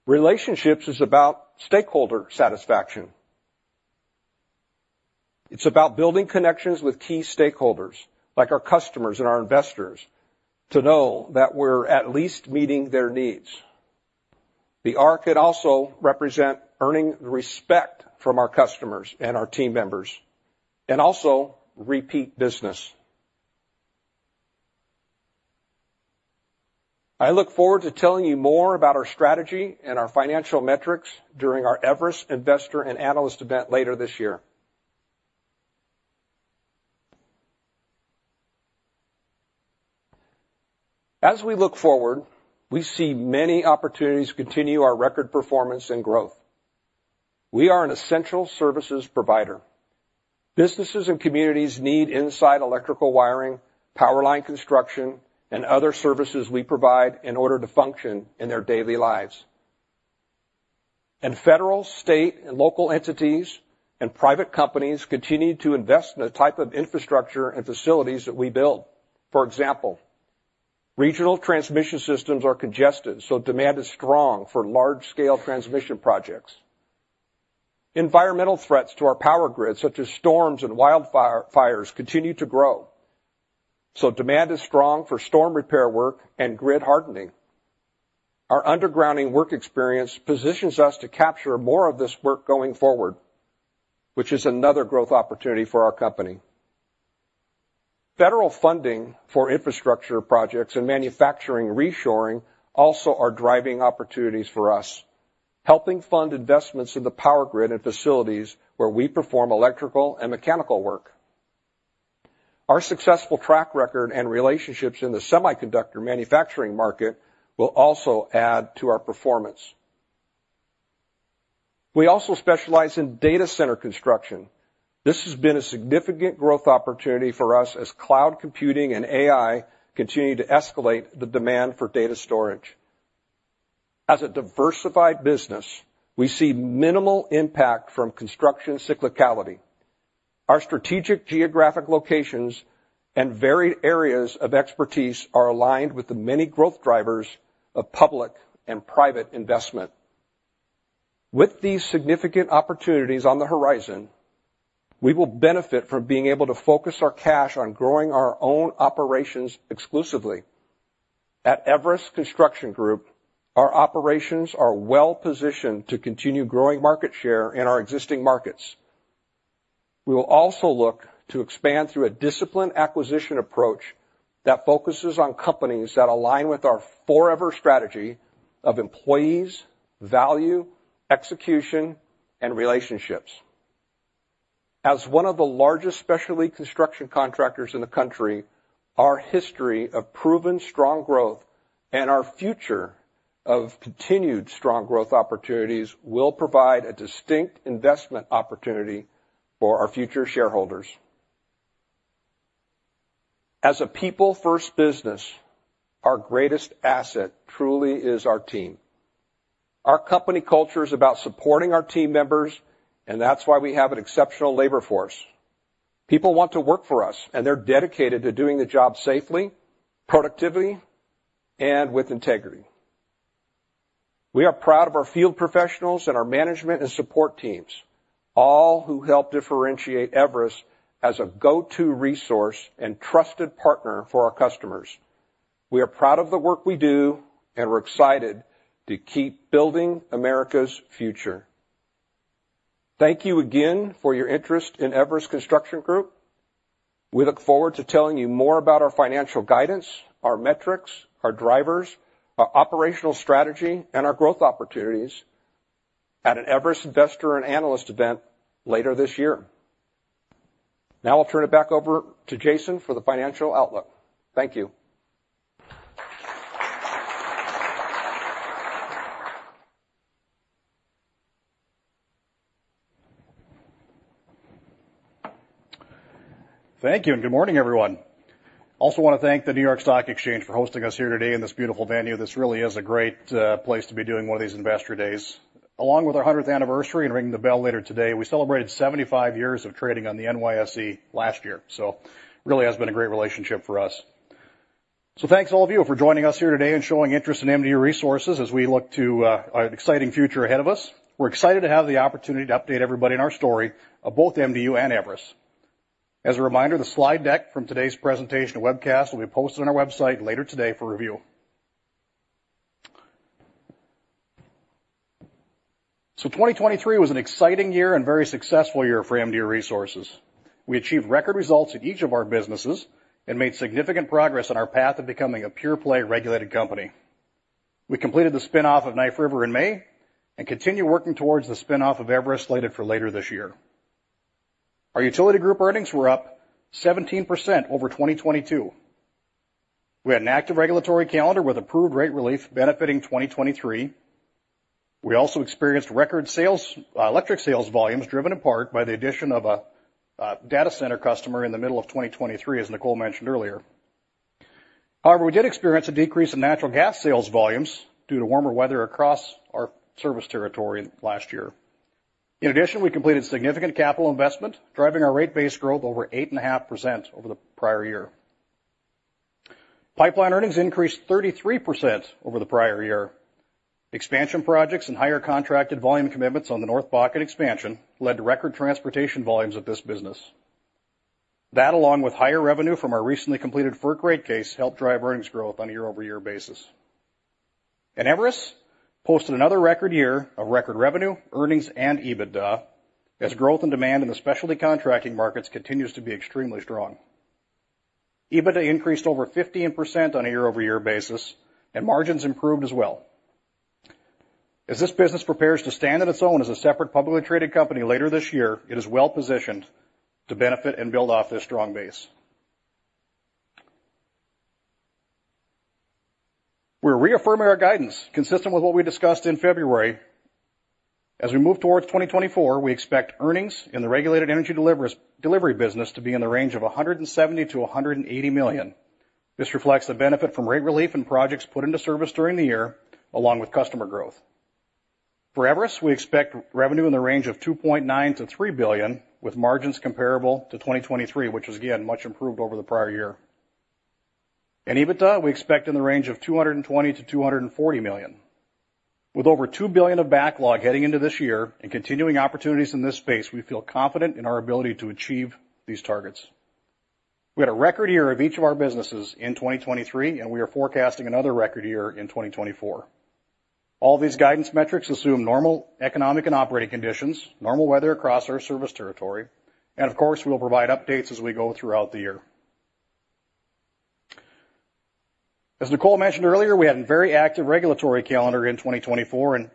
Relationships is about stakeholder satisfaction. It's about building connections with key stakeholders like our customers and our investors to know that we're at least meeting their needs. The R could also represent earning the respect from our customers and our team members and also repeat business. I look forward to telling you more about our strategy and our financial metrics during our Everus investor and analyst event later this year. As we look forward, we see many opportunities to continue our record performance and growth. We are an essential services provider. Businesses and communities need inside electrical wiring, power line construction, and other services we provide in order to function in their daily lives. And federal, state, and local entities and private companies continue to invest in the type of infrastructure and facilities that we build. For example, regional transmission systems are congested, so demand is strong for large-scale transmission projects. Environmental threats to our power grid, such as storms and wildfires, continue to grow, so demand is strong for storm repair work and grid hardening. Our undergrounding work experience positions us to capture more of this work going forward, which is another growth opportunity for our company. Federal funding for infrastructure projects and manufacturing reshoring also are driving opportunities for us, helping fund investments in the power grid and facilities where we perform electrical and mechanical work. Our successful track record and relationships in the semiconductor manufacturing market will also add to our performance. We also specialize in data center construction. This has been a significant growth opportunity for us as cloud computing and AI continue to escalate the demand for data storage. As a diversified business, we see minimal impact from construction cyclicality. Our strategic geographic locations and varied areas of expertise are aligned with the many growth drivers of public and private investment. With these significant opportunities on the horizon, we will benefit from being able to focus our cash on growing our own operations exclusively. At Everus Construction Group, our operations are well-positioned to continue growing market share in our existing markets. We will also look to expand through a disciplined acquisition approach that focuses on companies that align with our forever strategy of employees, value, execution, and relationships. As one of the largest specialty construction contractors in the country, our history of proven strong growth and our future of continued strong growth opportunities will provide a distinct investment opportunity for our future shareholders. As a people-first business, our greatest asset truly is our team. Our company culture is about supporting our team members, and that's why we have an exceptional labor force. People want to work for us, and they're dedicated to doing the job safely, productively, and with integrity. We are proud of our field professionals and our management and support teams, all who help differentiate Everus as a go-to resource and trusted partner for our customers. We are proud of the work we do, and we're excited to keep building America's future. Thank you again for your interest in Everus Construction Group. We look forward to telling you more about our financial guidance, our metrics, our drivers, our operational strategy, and our growth opportunities at an Everus investor and analyst event later this year. Now I'll turn it back over to Jason for the financial outlook. Thank you. Thank you, and good morning, everyone. I also want to thank the New York Stock Exchange for hosting us here today in this beautiful venue. This really is a great place to be doing one of these investor days. Along with our 100th anniversary and ringing the bell later today, we celebrated 75 years of trading on the NYSE last year, so it really has been a great relationship for us. So thanks all of you for joining us here today and showing interest in MDU Resources as we look to an exciting future ahead of us. We're excited to have the opportunity to update everybody in our story of both MDU and Everus. As a reminder, the slide deck from today's presentation webcast will be posted on our website later today for review. So 2023 was an exciting year and very successful year for MDU Resources. We achieved record results in each of our businesses and made significant progress on our path of becoming a pure-play regulated company. We completed the spinoff of Knife River in May and continue working towards the spinoff of Everus slated for later this year. Our utility group earnings were up 17% over 2022. We had an active regulatory calendar with approved rate relief benefiting 2023. We also experienced record electric sales volumes driven in part by the addition of a data center customer in the middle of 2023, as Nicole mentioned earlier. However, we did experience a decrease in natural gas sales volumes due to warmer weather across our service territory last year. In addition, we completed significant capital investment, driving our rate-based growth over 8.5% over the prior year. Pipeline earnings increased 33% over the prior year. Expansion projects and higher contracted volume commitments on the North Bakken expansion led to record transportation volumes at this business. That, along with higher revenue from our recently completed FERC rate case, helped drive earnings growth on a year-over-year basis. Everus posted another record year of record revenue, earnings, and EBITDA as growth and demand in the specialty contracting markets continues to be extremely strong. EBITDA increased over 15% on a year-over-year basis, and margins improved as well. As this business prepares to stand on its own as a separate publicly traded company later this year, it is well-positioned to benefit and build off this strong base. We're reaffirming our guidance consistent with what we discussed in February. As we move towards 2024, we expect earnings in the regulated energy delivery business to be in the range of $170 million-$180 million. This reflects the benefit from rate relief and projects put into service during the year, along with customer growth. For Everus, we expect revenue in the range of $2.9 billion-$3 billion, with margins comparable to 2023, which was, again, much improved over the prior year. And EBITDA, we expect in the range of $220 million-$240 million. With over $2 billion of backlog heading into this year and continuing opportunities in this space, we feel confident in our ability to achieve these targets. We had a record year of each of our businesses in 2023, and we are forecasting another record year in 2024. All of these guidance metrics assume normal economic and operating conditions, normal weather across our service territory, and of course, we will provide updates as we go throughout the year. As Nicole mentioned earlier, we had a very active regulatory calendar in 2024, and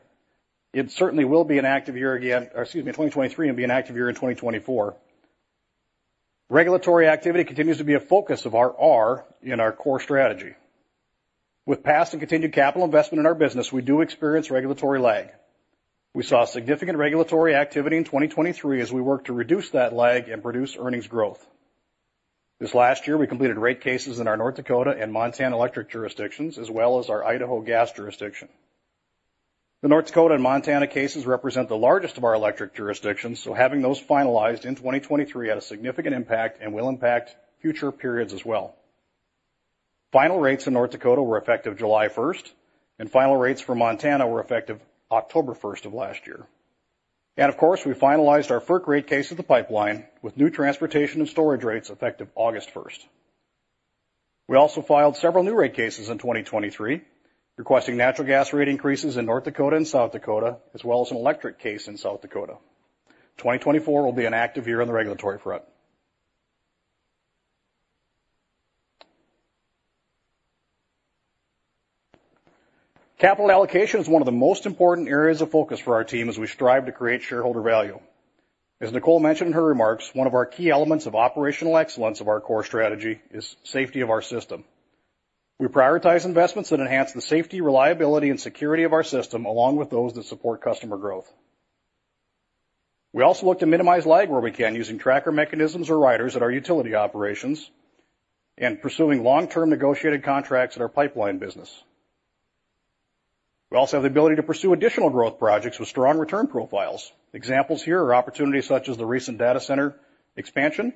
it certainly will be an active year again or excuse me, 2023 will be an active year in 2024. Regulatory activity continues to be a focus of our R in our core strategy. With past and continued capital investment in our business, we do experience regulatory lag. We saw significant regulatory activity in 2023 as we worked to reduce that lag and produce earnings growth. This last year, we completed rate cases in our North Dakota and Montana electric jurisdictions, as well as our Idaho gas jurisdiction. The North Dakota and Montana cases represent the largest of our electric jurisdictions, so having those finalized in 2023 had a significant impact and will impact future periods as well. Final rates in North Dakota were effective July 1st, and final rates for Montana were effective October 1st of last year. Of course, we finalized our FERC rate case of the pipeline, with new transportation and storage rates effective August 1st. We also filed several new rate cases in 2023 requesting natural gas rate increases in North Dakota and South Dakota, as well as an electric case in South Dakota. 2024 will be an active year on the regulatory front. Capital allocation is one of the most important areas of focus for our team as we strive to create shareholder value. As Nicole mentioned in her remarks, one of our key elements of operational excellence of our core strategy is safety of our system. We prioritize investments that enhance the safety, reliability, and security of our system, along with those that support customer growth. We also look to minimize lag where we can using tracker mechanisms or riders at our utility operations and pursuing long-term negotiated contracts in our pipeline business. We also have the ability to pursue additional growth projects with strong return profiles. Examples here are opportunities such as the recent data center expansion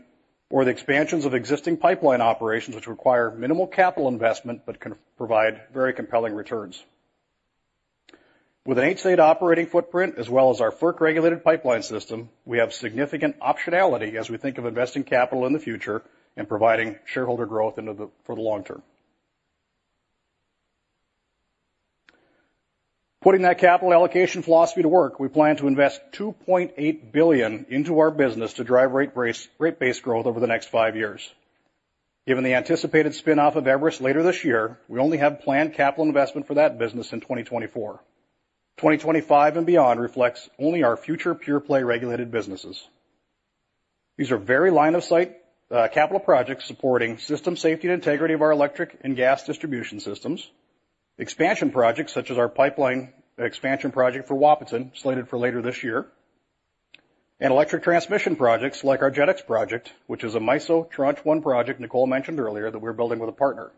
or the expansions of existing pipeline operations, which require minimal capital investment but can provide very compelling returns. With an eight-state operating footprint, as well as our FERC-regulated pipeline system, we have significant optionality as we think of investing capital in the future and providing shareholder growth for the long term. Putting that capital allocation philosophy to work, we plan to invest $2.8 billion into our business to drive rate-based growth over the next five years. Given the anticipated spinoff of Everus later this year, we only have planned capital investment for that business in 2024. 2025 and beyond reflects only our future pure-play regulated businesses. These are very line-of-sight capital projects supporting system safety and integrity of our electric and gas distribution systems, expansion projects such as our pipeline expansion project for Wahpeton slated for later this year, and electric transmission projects like our JETx project, which is a MISO Tranche One project Nicole mentioned earlier that we're building with a partner.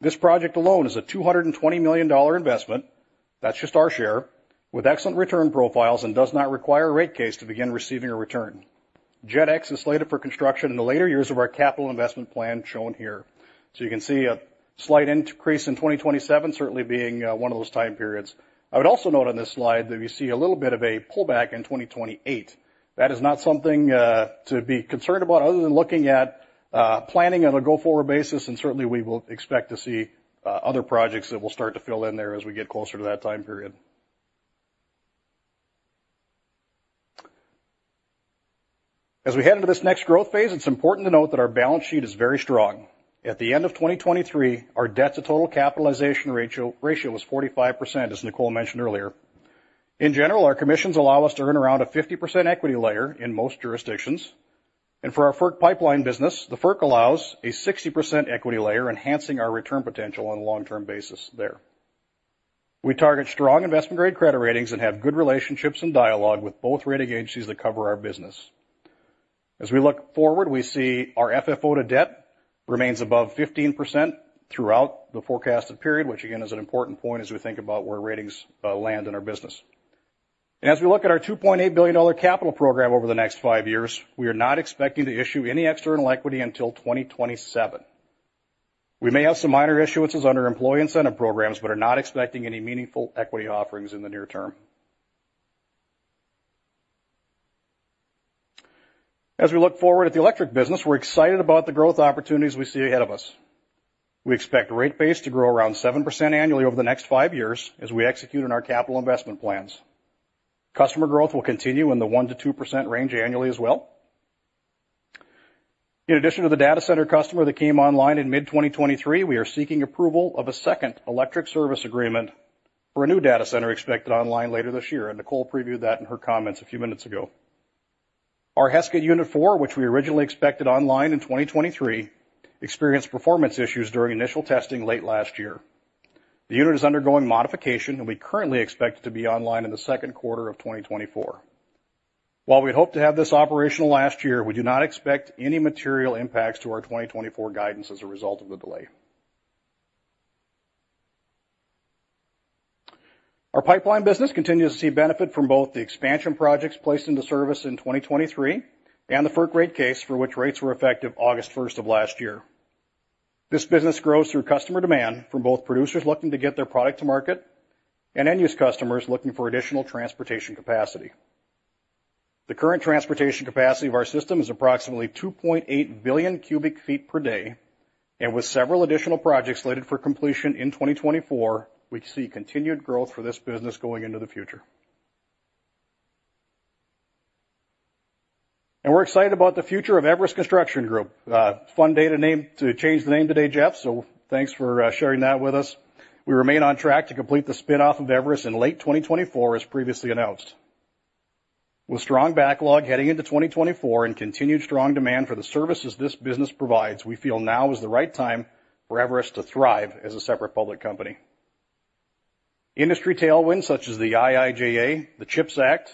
This project alone is a $220 million investment. That's just our share with excellent return profiles and does not require a rate case to begin receiving a return. JETx is slated for construction in the later years of our capital investment plan shown here. So you can see a slight increase in 2027 certainly being one of those time periods. I would also note on this slide that we see a little bit of a pullback in 2028. That is not something to be concerned about other than looking at planning on a go-forward basis, and certainly we will expect to see other projects that will start to fill in there as we get closer to that time period. As we head into this next growth phase, it's important to note that our balance sheet is very strong. At the end of 2023, our debt-to-total capitalization ratio was 45%, as Nicole mentioned earlier. In general, our commissions allow us to earn around a 50% equity layer in most jurisdictions. For our FERC pipeline business, the FERC allows a 60% equity layer, enhancing our return potential on a long-term basis there. We target strong investment-grade credit ratings and have good relationships and dialogue with both rating agencies that cover our business. As we look forward, we see our FFO to Debt remains above 15% throughout the forecasted period, which again is an important point as we think about where ratings land in our business. As we look at our $2.8 billion capital program over the next five years, we are not expecting to issue any external equity until 2027. We may have some minor issuances under employee incentive programs but are not expecting any meaningful equity offerings in the near term. As we look forward at the electric business, we're excited about the growth opportunities we see ahead of us. We expect rate base to grow around 7% annually over the next five years as we execute on our capital investment plans. Customer growth will continue in the 1%-2% range annually as well. In addition to the data center customer that came online in mid-2023, we are seeking approval of a second electric service agreement for a new data center expected online later this year, and Nicole previewed that in her comments a few minutes ago. Our Heskett Unit Four, which we originally expected online in 2023, experienced performance issues during initial testing late last year. The unit is undergoing modification, and we currently expect it to be online in the second quarter of 2024. While we hope to have this operational last year, we do not expect any material impacts to our 2024 guidance as a result of the delay. Our pipeline business continues to see benefit from both the expansion projects placed into service in 2023 and the FERC rate case for which rates were effective August 1st of last year. This business grows through customer demand from both producers looking to get their product to market and end-use customers looking for additional transportation capacity. The current transportation capacity of our system is approximately 2.8 billion cu ft per day, and with several additional projects slated for completion in 2024, we see continued growth for this business going into the future. We're excited about the future of Everus Construction Group. We announced the name change today, Jeff, so thanks for sharing that with us. We remain on track to complete the spinoff of Everus in late 2024, as previously announced. With strong backlog heading into 2024 and continued strong demand for the services this business provides, we feel now is the right time for Everus to thrive as a separate public company. Industry tailwinds such as the IIJA, the CHIPS Act,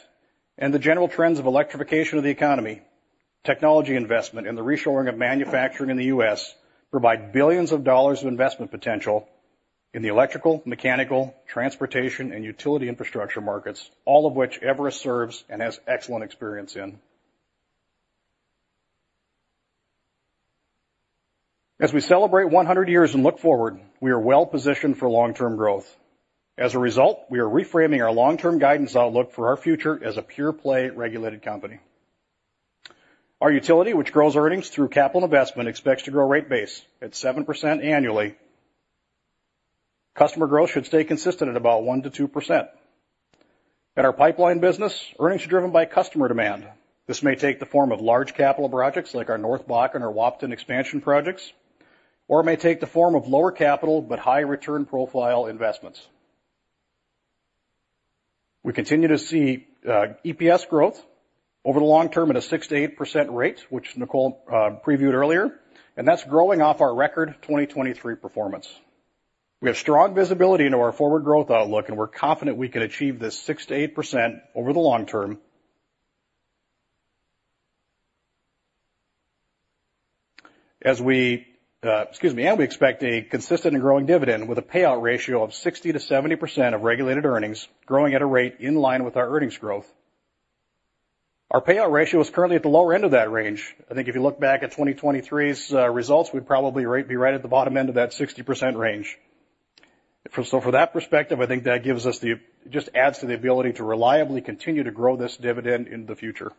and the general trends of electrification of the economy, technology investment, and the reshoring of manufacturing in the U.S. provide $ billions of investment potential in the electrical, mechanical, transportation, and utility infrastructure markets, all of which Everus serves and has excellent experience in. As we celebrate 100 years and look forward, we are well-positioned for long-term growth. As a result, we are reframing our long-term guidance outlook for our future as a pure-play regulated company. Our utility, which grows earnings through capital investment, expects to grow rate base at 7% annually. Customer growth should stay consistent at about 1%-2%. At our pipeline business, earnings are driven by customer demand. This may take the form of large capital projects like our North Bakken and our Wappington expansion projects, or it may take the form of lower capital but high return profile investments. We continue to see EPS growth over the long term at a 6%-8% rate, which Nicole previewed earlier, and that's growing off our record 2023 performance. We have strong visibility into our forward growth outlook, and we're confident we can achieve this 6%-8% over the long term as we excuse me, and we expect a consistent and growing dividend with a payout ratio of 60%-70% of regulated earnings, growing at a rate in line with our earnings growth. Our payout ratio is currently at the lower end of that range. I think if you look back at 2023's results, we'd probably be right at the bottom end of that 60% range. So from that perspective, I think that gives us just adds to the ability to reliably continue to grow this dividend in the future.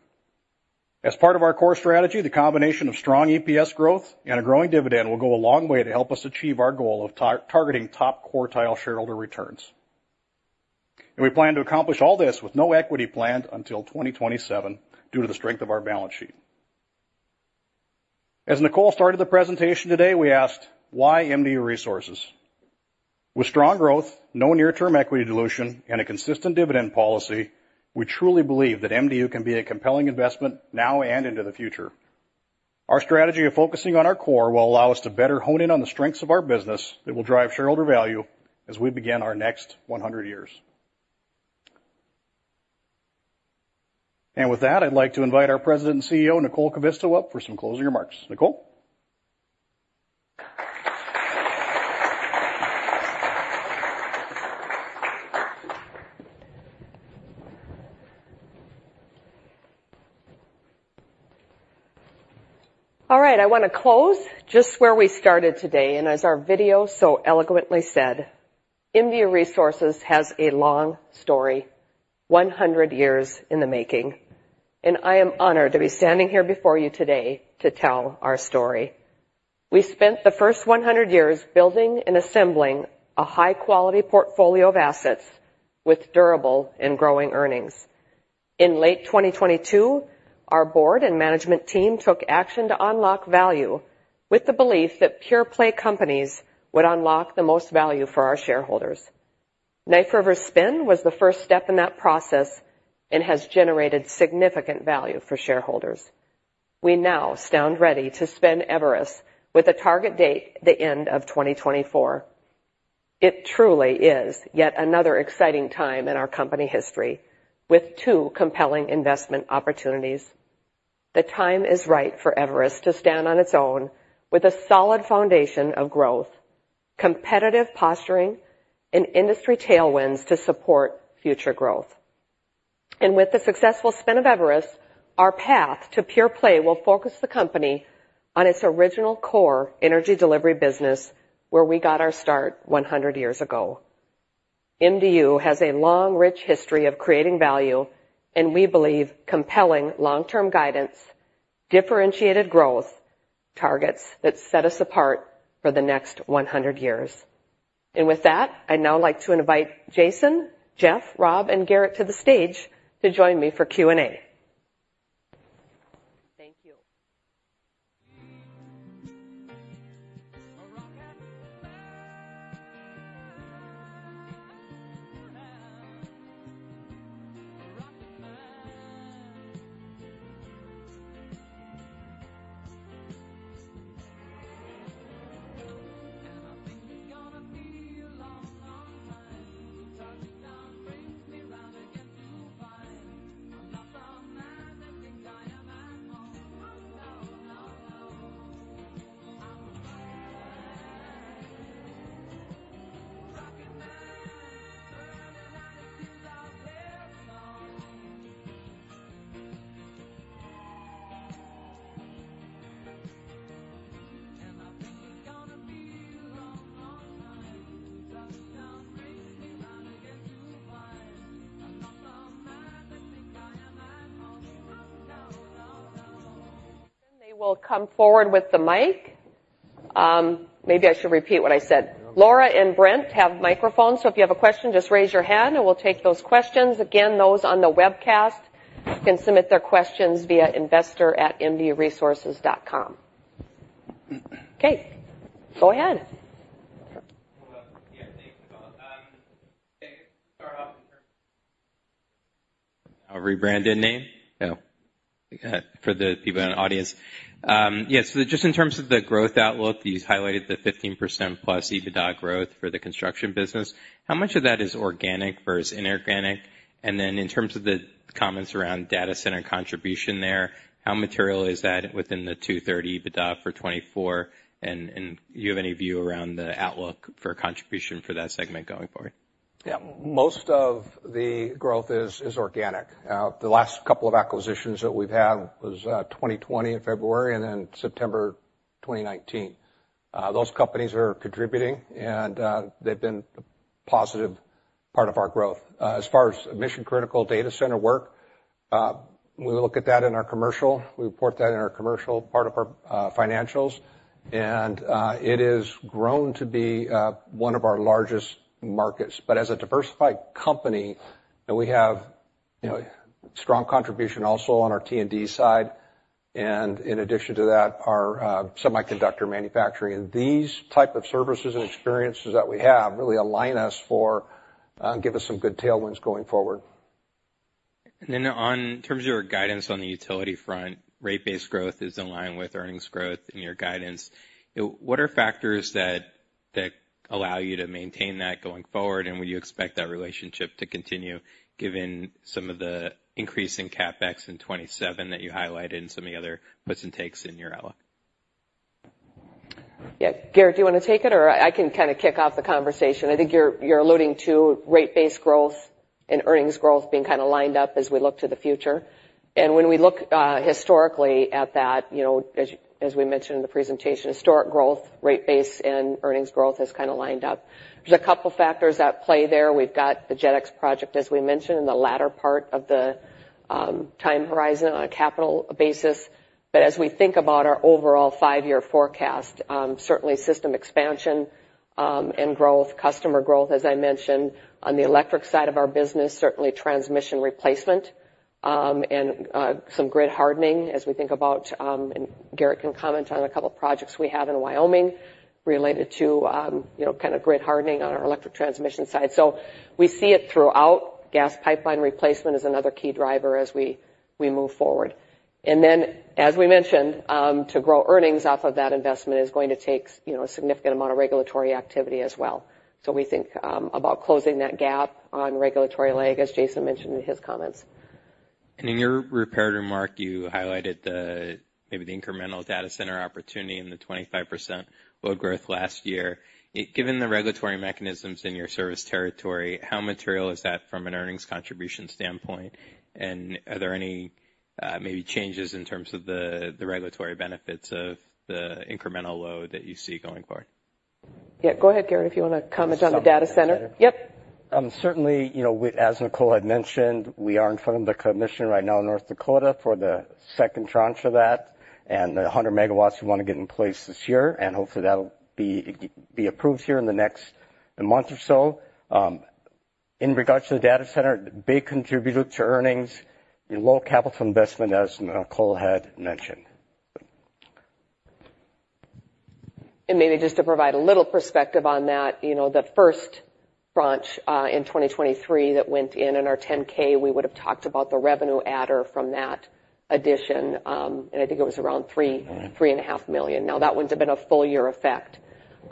As part of our core strategy, the combination of strong EPS growth and a growing dividend will go a long way to help us achieve our goal of targeting top quartile shareholder returns. And we plan to accomplish all this with no equity planned until 2027 due to the strength of our balance sheet. As Nicole started the presentation today, we asked, "Why MDU Resources?" With strong growth, no near-term equity dilution, and a consistent dividend policy, we truly believe that MDU can be a compelling investment now and into the future. Our strategy of focusing on our core will allow us to better hone in on the strengths of our business that will drive shareholder value as we begin our next 100 years. With that, I'd like to invite our President and CEO, Nicole Kivisto, up for some closing remarks. Nicole? All right. I want to close just where we started today. As our video so eloquently said, MDU Resources has a long story, 100 years in the making. I am honored to be standing here before you today to tell our story. We spent the first 100 years building and assembling a high-quality portfolio of assets with durable and growing earnings. In late 2022, our board and management team took action to unlock value with the belief that pure-play companies would unlock the most value for our shareholders. Knife River Spin was the first step in that process and has generated significant value for shareholders. We now stand ready to spin Everus with a target date, the end of 2024. It truly is yet another exciting time in our company history with two compelling investment opportunities. The time is right for Everus to stand on its own with a solid foundation of growth, competitive posturing, and industry tailwinds to support future growth. And with the successful spin of Everus, our path to pure-play will focus the company on its original core energy delivery business where we got our start 100 years ago. MDU has a long, rich history of creating value, and we believe compelling long-term guidance, differentiated growth, targets that set us apart for the next 100 years. And with that, I'd now like to invite Jason, Jeff, Rob, and Garret to the stage to join me for Q&A. They will come forward with the mic. Maybe I should repeat what I said. Laura and Brent have microphones, so if you have a question, just raise your hand, and we'll take those questions. Again, those on the webcast can submit their questions via investor@mduresources.com. Okay. Go ahead. Yeah. Thanks, Nicole. Start off in terms of. A rebranded name? Yeah. For the people in the audience. Yeah. So just in terms of the growth outlook, you highlighted the 15%+ EBITDA growth for the construction business. How much of that is organic versus inorganic? And then in terms of the comments around data center contribution there, how material is that within the $230 million EBITDA for 2024? And do you have any view around the outlook for contribution for that segment going forward? Yeah. Most of the growth is organic. The last couple of acquisitions that we've had was 2020 in February and then September 2019. Those companies are contributing, and they've been a positive part of our growth. As far as mission-critical data center work, we look at that in our commercial. We report that in our commercial part of our financials. It has grown to be one of our largest markets. But as a diversified company, we have strong contribution also on our T&D side. In addition to that, our semiconductor manufacturing. These types of services and experiences that we have really align us for and give us some good tailwinds going forward. And then in terms of your guidance on the utility front, rate-based growth is in line with earnings growth in your guidance. What are factors that allow you to maintain that going forward, and would you expect that relationship to continue given some of the increase in CapEx in 2027 that you highlighted and some of the other puts and takes in your outlook? Yeah. Garret, do you want to take it, or I can kind of kick off the conversation? I think you're alluding to rate-based growth and earnings growth being kind of lined up as we look to the future. When we look historically at that, as we mentioned in the presentation, historic growth, rate-based, and earnings growth has kind of lined up. There's a couple of factors that play there. We've got the JETx project, as we mentioned, in the latter part of the time horizon on a capital basis. But as we think about our overall five-year forecast, certainly system expansion and growth, customer growth, as I mentioned, on the electric side of our business, certainly transmission replacement and some grid hardening as we think about, and Garret can comment on a couple of projects we have in Wyoming related to kind of grid hardening on our electric transmission side. So we see it throughout. Gas pipeline replacement is another key driver as we move forward. And then, as we mentioned, to grow earnings off of that investment is going to take a significant amount of regulatory activity as well. So we think about closing that gap on regulatory leg, as Jason mentioned in his comments. In your earlier remark, you highlighted maybe the incremental data center opportunity and the 25% load growth last year. Given the regulatory mechanisms in your service territory, how material is that from an earnings contribution standpoint? Are there any maybe changes in terms of the regulatory benefits of the incremental load that you see going forward? Yeah. Go ahead, Garret, if you want to comment on the data center. Yep. Certainly, as Nicole had mentioned, we are in front of the commission right now in North Dakota for the second tranche of that and the 100 MW we want to get in place this year. Hopefully, that'll be approved here in the next month or so. In regards to the data center, big contributor to earnings is low capital investment, as Nicole had mentioned. Maybe just to provide a little perspective on that, the first branch in 2023 that went in in our 10-K, we would have talked about the revenue adder from that addition. I think it was around $3.5 million. Now, that wouldn't have been a full-year effect.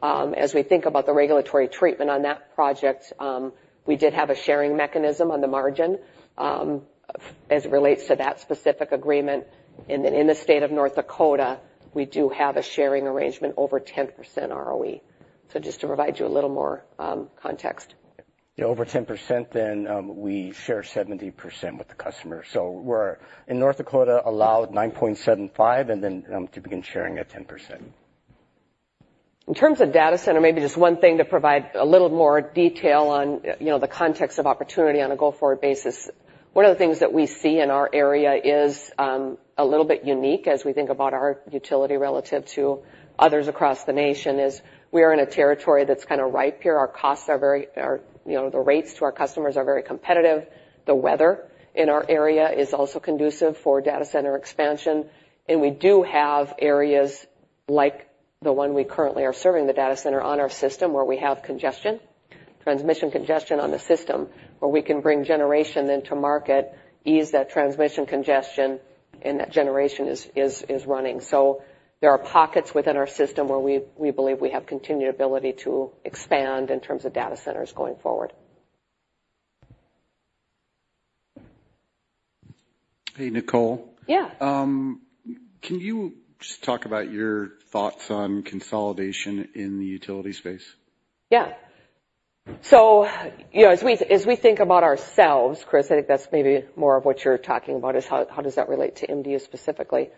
As we think about the regulatory treatment on that project, we did have a sharing mechanism on the margin as it relates to that specific agreement. Then in the state of North Dakota, we do have a sharing arrangement over 10% ROE. Just to provide you a little more context. Yeah. Over 10%, then we share 70% with the customer. So we're, in North Dakota, allowed 9.75 and then to begin sharing at 10%. In terms of data center, maybe just one thing to provide a little more detail on the context of opportunity on a go-forward basis. One of the things that we see in our area is a little bit unique as we think about our utility relative to others across the nation is we are in a territory that's kind of ripe here. Our costs are very the rates to our customers are very competitive. The weather in our area is also conducive for data center expansion. And we do have areas like the one we currently are serving the data center on our system where we have congestion, transmission congestion on the system where we can bring generation then to market, ease that transmission congestion, and that generation is running. There are pockets within our system where we believe we have continued ability to expand in terms of data centers going forward. Hey, Nicole. Yeah. Can you just talk about your thoughts on consolidation in the utility space? Yeah. So as we think about ourselves, Chris, I think that's maybe more of what you're talking about is how does that relate to MDU specifically.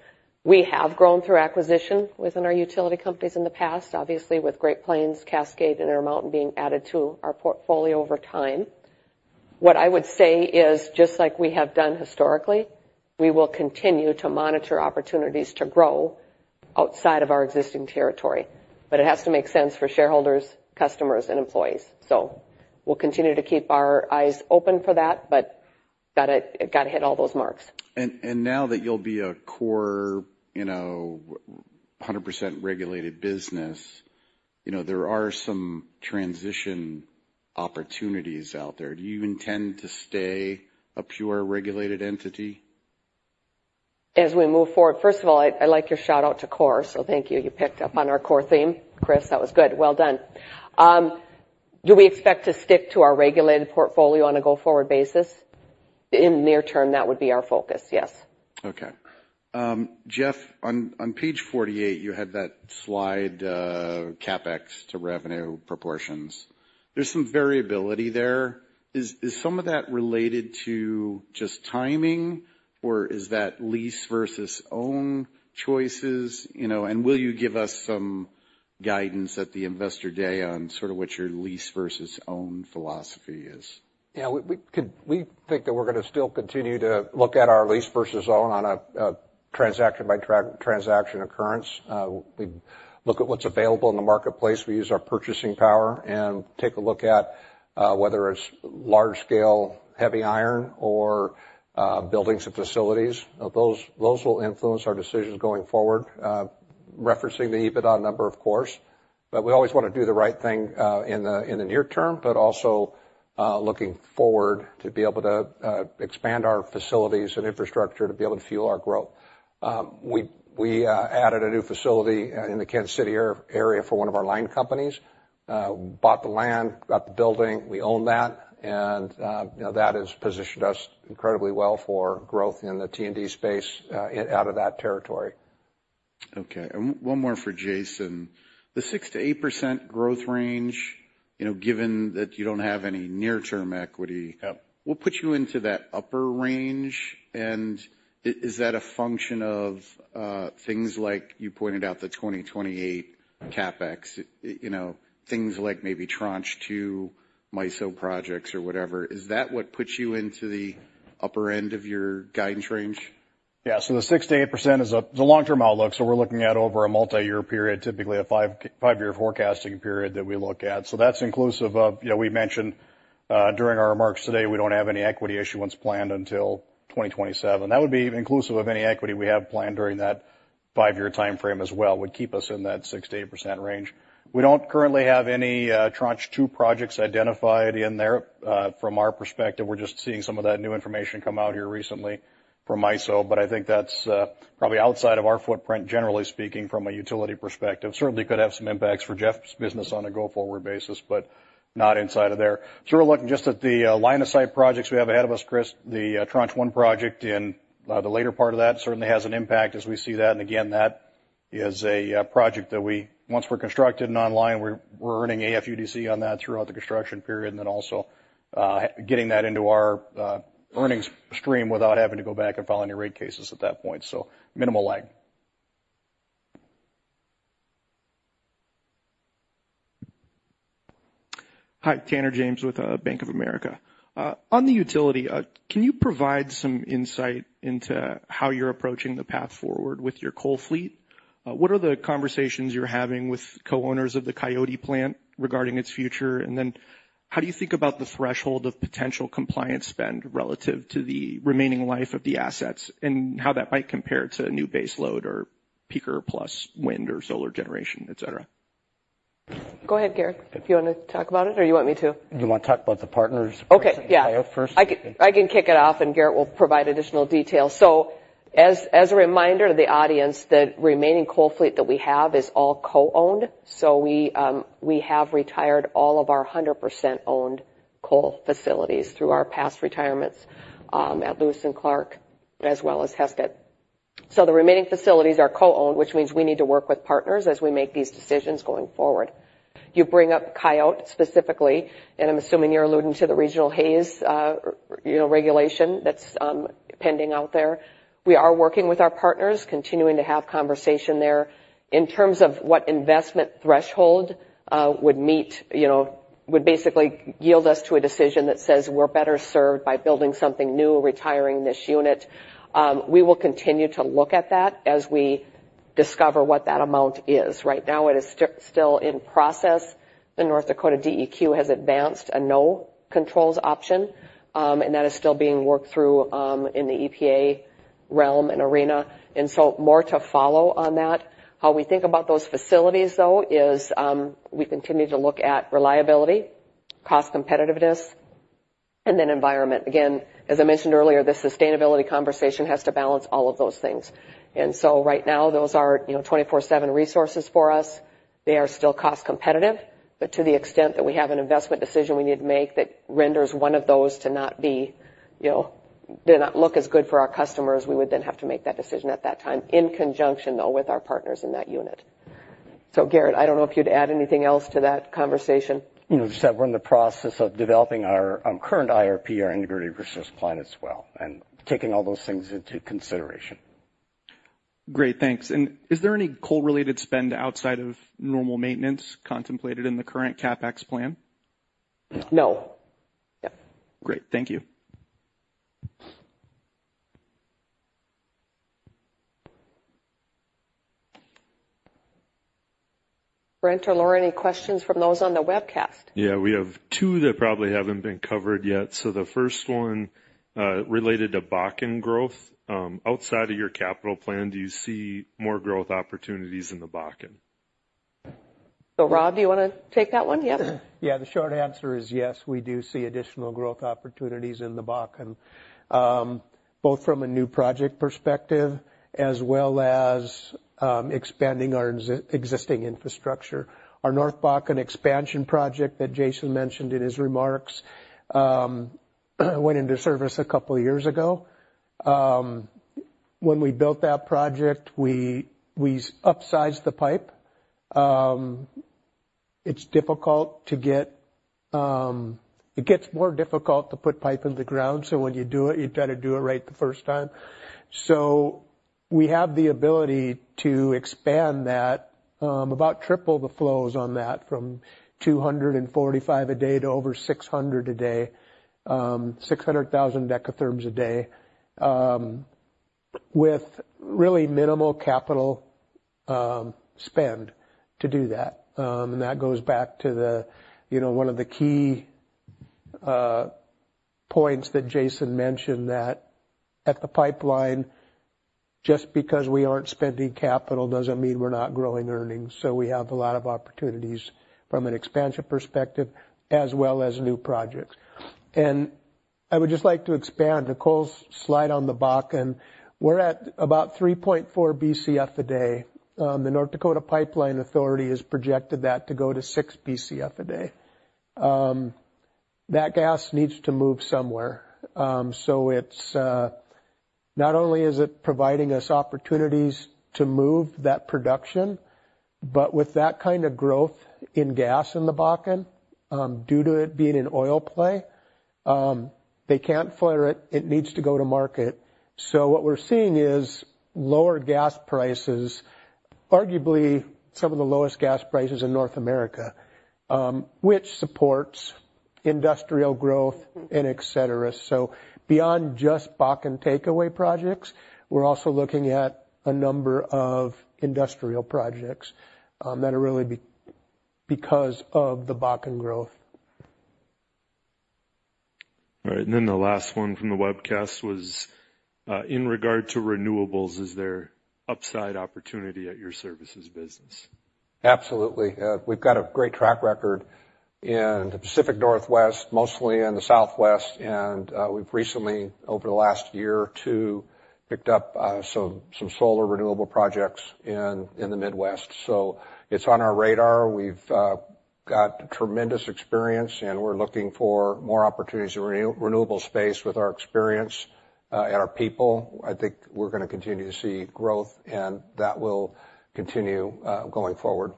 We have grown through acquisition within our utility companies in the past, obviously, with Great Plains, Cascade, and Intermountain being added to our portfolio over time. What I would say is, just like we have done historically, we will continue to monitor opportunities to grow outside of our existing territory. But it has to make sense for shareholders, customers, and employees. So we'll continue to keep our eyes open for that, but got to hit all those marks. Now that you'll be a core 100% regulated business, there are some transition opportunities out there. Do you intend to stay a pure regulated entity? As we move forward, first of all, I like your shout-out to core. So thank you. You picked up on our core theme, Chris. That was good. Well done. Do we expect to stick to our regulated portfolio on a go-forward basis? In the near term, that would be our focus. Yes. Okay. Jeff, on page 48, you had that slide CapEx to revenue proportions. There's some variability there. Is some of that related to just timing, or is that lease versus own choices? And will you give us some guidance at the Investor Day on sort of what your lease versus own philosophy is? Yeah. We think that we're going to still continue to look at our lease versus own on a transaction-by-transaction occurrence. We look at what's available in the marketplace. We use our purchasing power and take a look at whether it's large-scale heavy iron or buildings and facilities. Those will influence our decisions going forward, referencing the EBITDA number, of course. But we always want to do the right thing in the near term, but also looking forward to be able to expand our facilities and infrastructure to be able to fuel our growth. We added a new facility in the Kansas City area for one of our line companies, bought the land, got the building. We own that. And that has positioned us incredibly well for growth in the T&D space out of that territory. Okay. And one more for Jason. The 6%-8% growth range, given that you don't have any near-term equity, what puts you into that upper range? And is that a function of things like you pointed out the 2028 CapEx, things like maybe tranche two, MISO projects, or whatever? Is that what puts you into the upper end of your guidance range? Yeah. So the 6%-8% is a long-term outlook. So we're looking at over a multi-year period, typically a five-year forecasting period that we look at. So that's inclusive of we mentioned during our remarks today, we don't have any equity issuance planned until 2027. That would be inclusive of any equity we have planned during that five-year time frame as well, would keep us in that 6%-8% range. We don't currently have any tranche two projects identified in there. From our perspective, we're just seeing some of that new information come out here recently from MISO. But I think that's probably outside of our footprint, generally speaking, from a utility perspective. Certainly, could have some impacts for Jeff's business on a go-forward basis, but not inside of there. So we're looking just at the line of sight projects we have ahead of us, Chris. The tranche one project in the later part of that certainly has an impact as we see that. And again, that is a project that we, once we're constructed and online, we're earning AFUDC on that throughout the construction period and then also getting that into our earnings stream without having to go back and file any rate cases at that point. So minimal lag. Hi. Tanner James with Bank of America. On the utility, can you provide some insight into how you're approaching the path forward with your coal fleet? What are the conversations you're having with co-owners of the Coyote plant regarding its future? And then how do you think about the threshold of potential compliance spend relative to the remaining life of the assets and how that might compare to a new base load or peaker-plus wind or solar generation, etc.? Go ahead, Garret, if you want to talk about it or you want me to. You want to talk about the partners? Okay. Yeah. I can kick it off, and Garret will provide additional details. So as a reminder to the audience, the remaining coal fleet that we have is all co-owned. So we have retired all of our 100% owned coal facilities through our past retirements at Lewis and Clark as well as Heskett. So the remaining facilities are co-owned, which means we need to work with partners as we make these decisions going forward. You bring up Coyote specifically, and I'm assuming you're alluding to the regional haze regulation that's pending out there. We are working with our partners, continuing to have conversation there. In terms of what investment threshold would meet, would basically yield us to a decision that says we're better served by building something new, retiring this unit, we will continue to look at that as we discover what that amount is. Right now, it is still in process. The North Dakota DEQ has advanced a no-controls option, and that is still being worked through in the EPA realm and arena. More to follow on that. How we think about those facilities, though, is we continue to look at reliability, cost competitiveness, and then environment. Again, as I mentioned earlier, this sustainability conversation has to balance all of those things. Right now, those are 24/7 resources for us. They are still cost competitive. But to the extent that we have an investment decision we need to make that renders one of those to not be did not look as good for our customers, we would then have to make that decision at that time in conjunction, though, with our partners in that unit. So Garret, I don't know if you'd add anything else to that conversation. Just that we're in the process of developing our current IRP, our Integrated Resource Plan, as well and taking all those things into consideration. Great. Thanks. Is there any coal-related spend outside of normal maintenance contemplated in the current CapEx plan? No. Yep. Great. Thank you. Brent or Laura, any questions from those on the webcast? Yeah. We have two that probably haven't been covered yet. So the first one related to Bakken growth. Outside of your capital plan, do you see more growth opportunities in the Bakken? Rob, do you want to take that one? Yep. Yeah. The short answer is yes. We do see additional growth opportunities in the Bakken, both from a new project perspective as well as expanding our existing infrastructure. Our North Bakken expansion project that Jason mentioned in his remarks went into service a couple of years ago. When we built that project, we upsized the pipe. It's difficult; it gets more difficult to put pipe in the ground. So when you do it, you've got to do it right the first time. So we have the ability to expand that, about triple the flows on that, from 245,000 a day to over 600,000 a day, 600,000 decatherms a day with really minimal capital spend to do that. And that goes back to one of the key points that Jason mentioned, that at the pipeline, just because we aren't spending capital doesn't mean we're not growing earnings. So we have a lot of opportunities from an expansion perspective as well as new projects. And I would just like to expand. Nicole's slide on the Bakken, we're at about 3.4 BCF a day. The North Dakota Pipeline Authority has projected that to go to 6 BCF a day. That gas needs to move somewhere. So not only is it providing us opportunities to move that production, but with that kind of growth in gas in the Bakken, due to it being an oil play, they can't flare it. It needs to go to market. So what we're seeing is lower gas prices, arguably some of the lowest gas prices in North America, which supports industrial growth and etc. So beyond just Bakken takeaway projects, we're also looking at a number of industrial projects that are really because of the Bakken growth. All right. And then the last one from the webcast was in regard to renewables: is there upside opportunity at your services business? Absolutely. We've got a great track record in the Pacific Northwest, mostly in the Southwest. We've recently, over the last year or two, picked up some solar renewable projects in the Midwest. It's on our radar. We've got tremendous experience, and we're looking for more opportunities in renewable space with our experience and our people. I think we're going to continue to see growth, and that will continue going forward.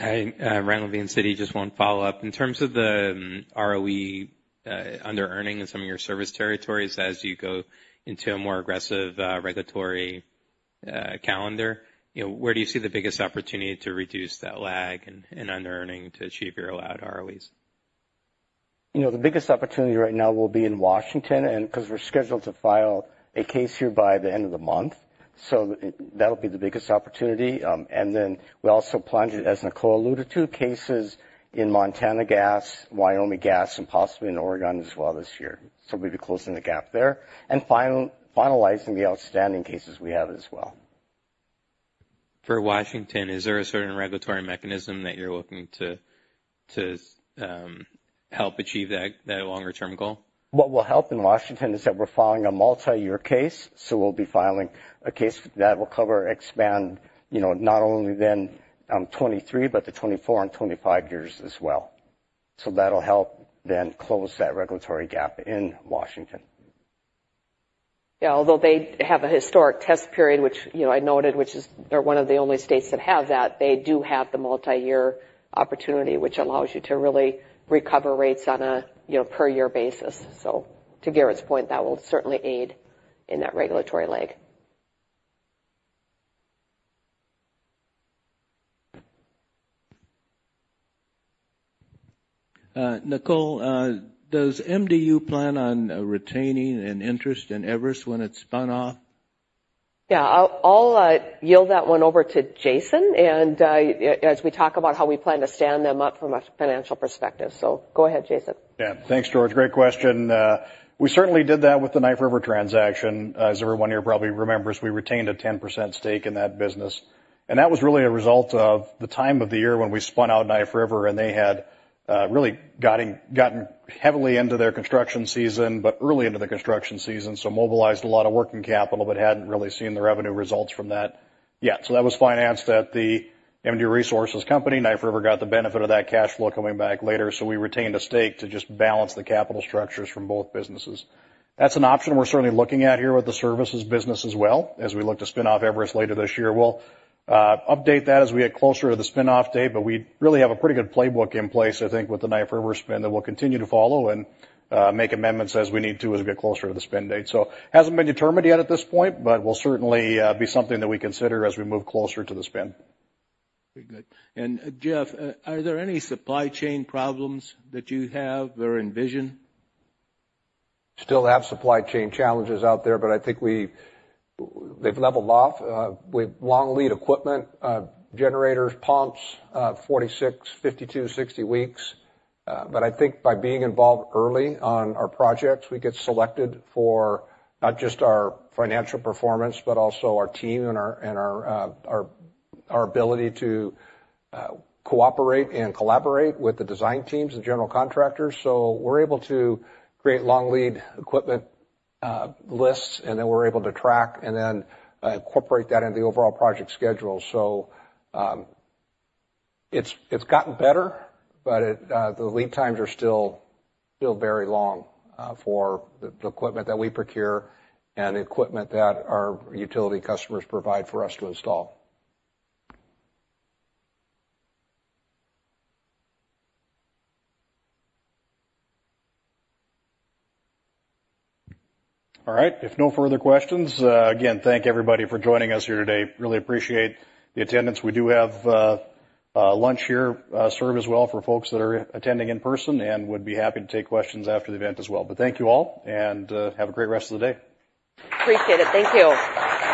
Hi. Randall, Citi. Just one follow-up. In terms of the ROE under-earning in some of your service territories, as you go into a more aggressive regulatory calendar, where do you see the biggest opportunity to reduce that lag and under-earning to achieve your allowed ROEs? The biggest opportunity right now will be in Washington because we're scheduled to file a case here by the end of the month. That'll be the biggest opportunity. We also plan, as Nicole alluded to, cases in Montana Gas, Wyoming Gas, and possibly in Oregon as well this year. We'll be closing the gap there and finalizing the outstanding cases we have as well. For Washington, is there a certain regulatory mechanism that you're looking to help achieve that longer-term goal? What will help in Washington is that we're filing a multi-year case. So we'll be filing a case that will cover or expand not only the 2023, but the 2024 and 2025 years as well. So that'll help to close that regulatory gap in Washington. Yeah. Although they have a historic test period, which I noted, which is they're one of the only states that have that, they do have the multi-year opportunity, which allows you to really recover rates on a per-year basis. So to Garret's point, that will certainly aid in that regulatory lag. Nicole, does MDU plan on retaining an interest in Everus when it's spun off? Yeah. I'll yield that one over to Jason as we talk about how we plan to stand them up from a financial perspective. So go ahead, Jason. Yeah. Thanks, George. Great question. We certainly did that with the Knife River transaction. As everyone here probably remembers, we retained a 10% stake in that business. And that was really a result of the time of the year when we spun out Knife River, and they had really gotten heavily into their construction season, but early into the construction season, so mobilized a lot of working capital but hadn't really seen the revenue results from that yet. So that was financed at the MDU Resources Group. Knife River got the benefit of that cash flow coming back later. So we retained a stake to just balance the capital structures from both businesses. That's an option we're certainly looking at here with the services business as well as we look to spin off Everus later this year. We'll update that as we get closer to the spinoff date. But we really have a pretty good playbook in place, I think, with the Knife River spin that we'll continue to follow and make amendments as we need to as we get closer to the spin date. So it hasn't been determined yet at this point, but will certainly be something that we consider as we move closer to the spin. Very good. Jeff, are there any supply chain problems that you have or envision? Still have supply chain challenges out there, but I think they've leveled off. We have long lead equipment, generators, pumps, 46 weeks, 52 weeks, 60 weeks. But I think by being involved early on our projects, we get selected for not just our financial performance but also our team and our ability to cooperate and collaborate with the design teams and general contractors. So we're able to create long lead equipment lists, and then we're able to track and then incorporate that into the overall project schedule. So it's gotten better, but the lead times are still very long for the equipment that we procure and the equipment that our utility customers provide for us to install. All right. If no further questions, again, thank everybody for joining us here today. Really appreciate the attendance. We do have lunch here served as well for folks that are attending in person and would be happy to take questions after the event as well. But thank you all, and have a great rest of the day. Appreciate it. Thank you.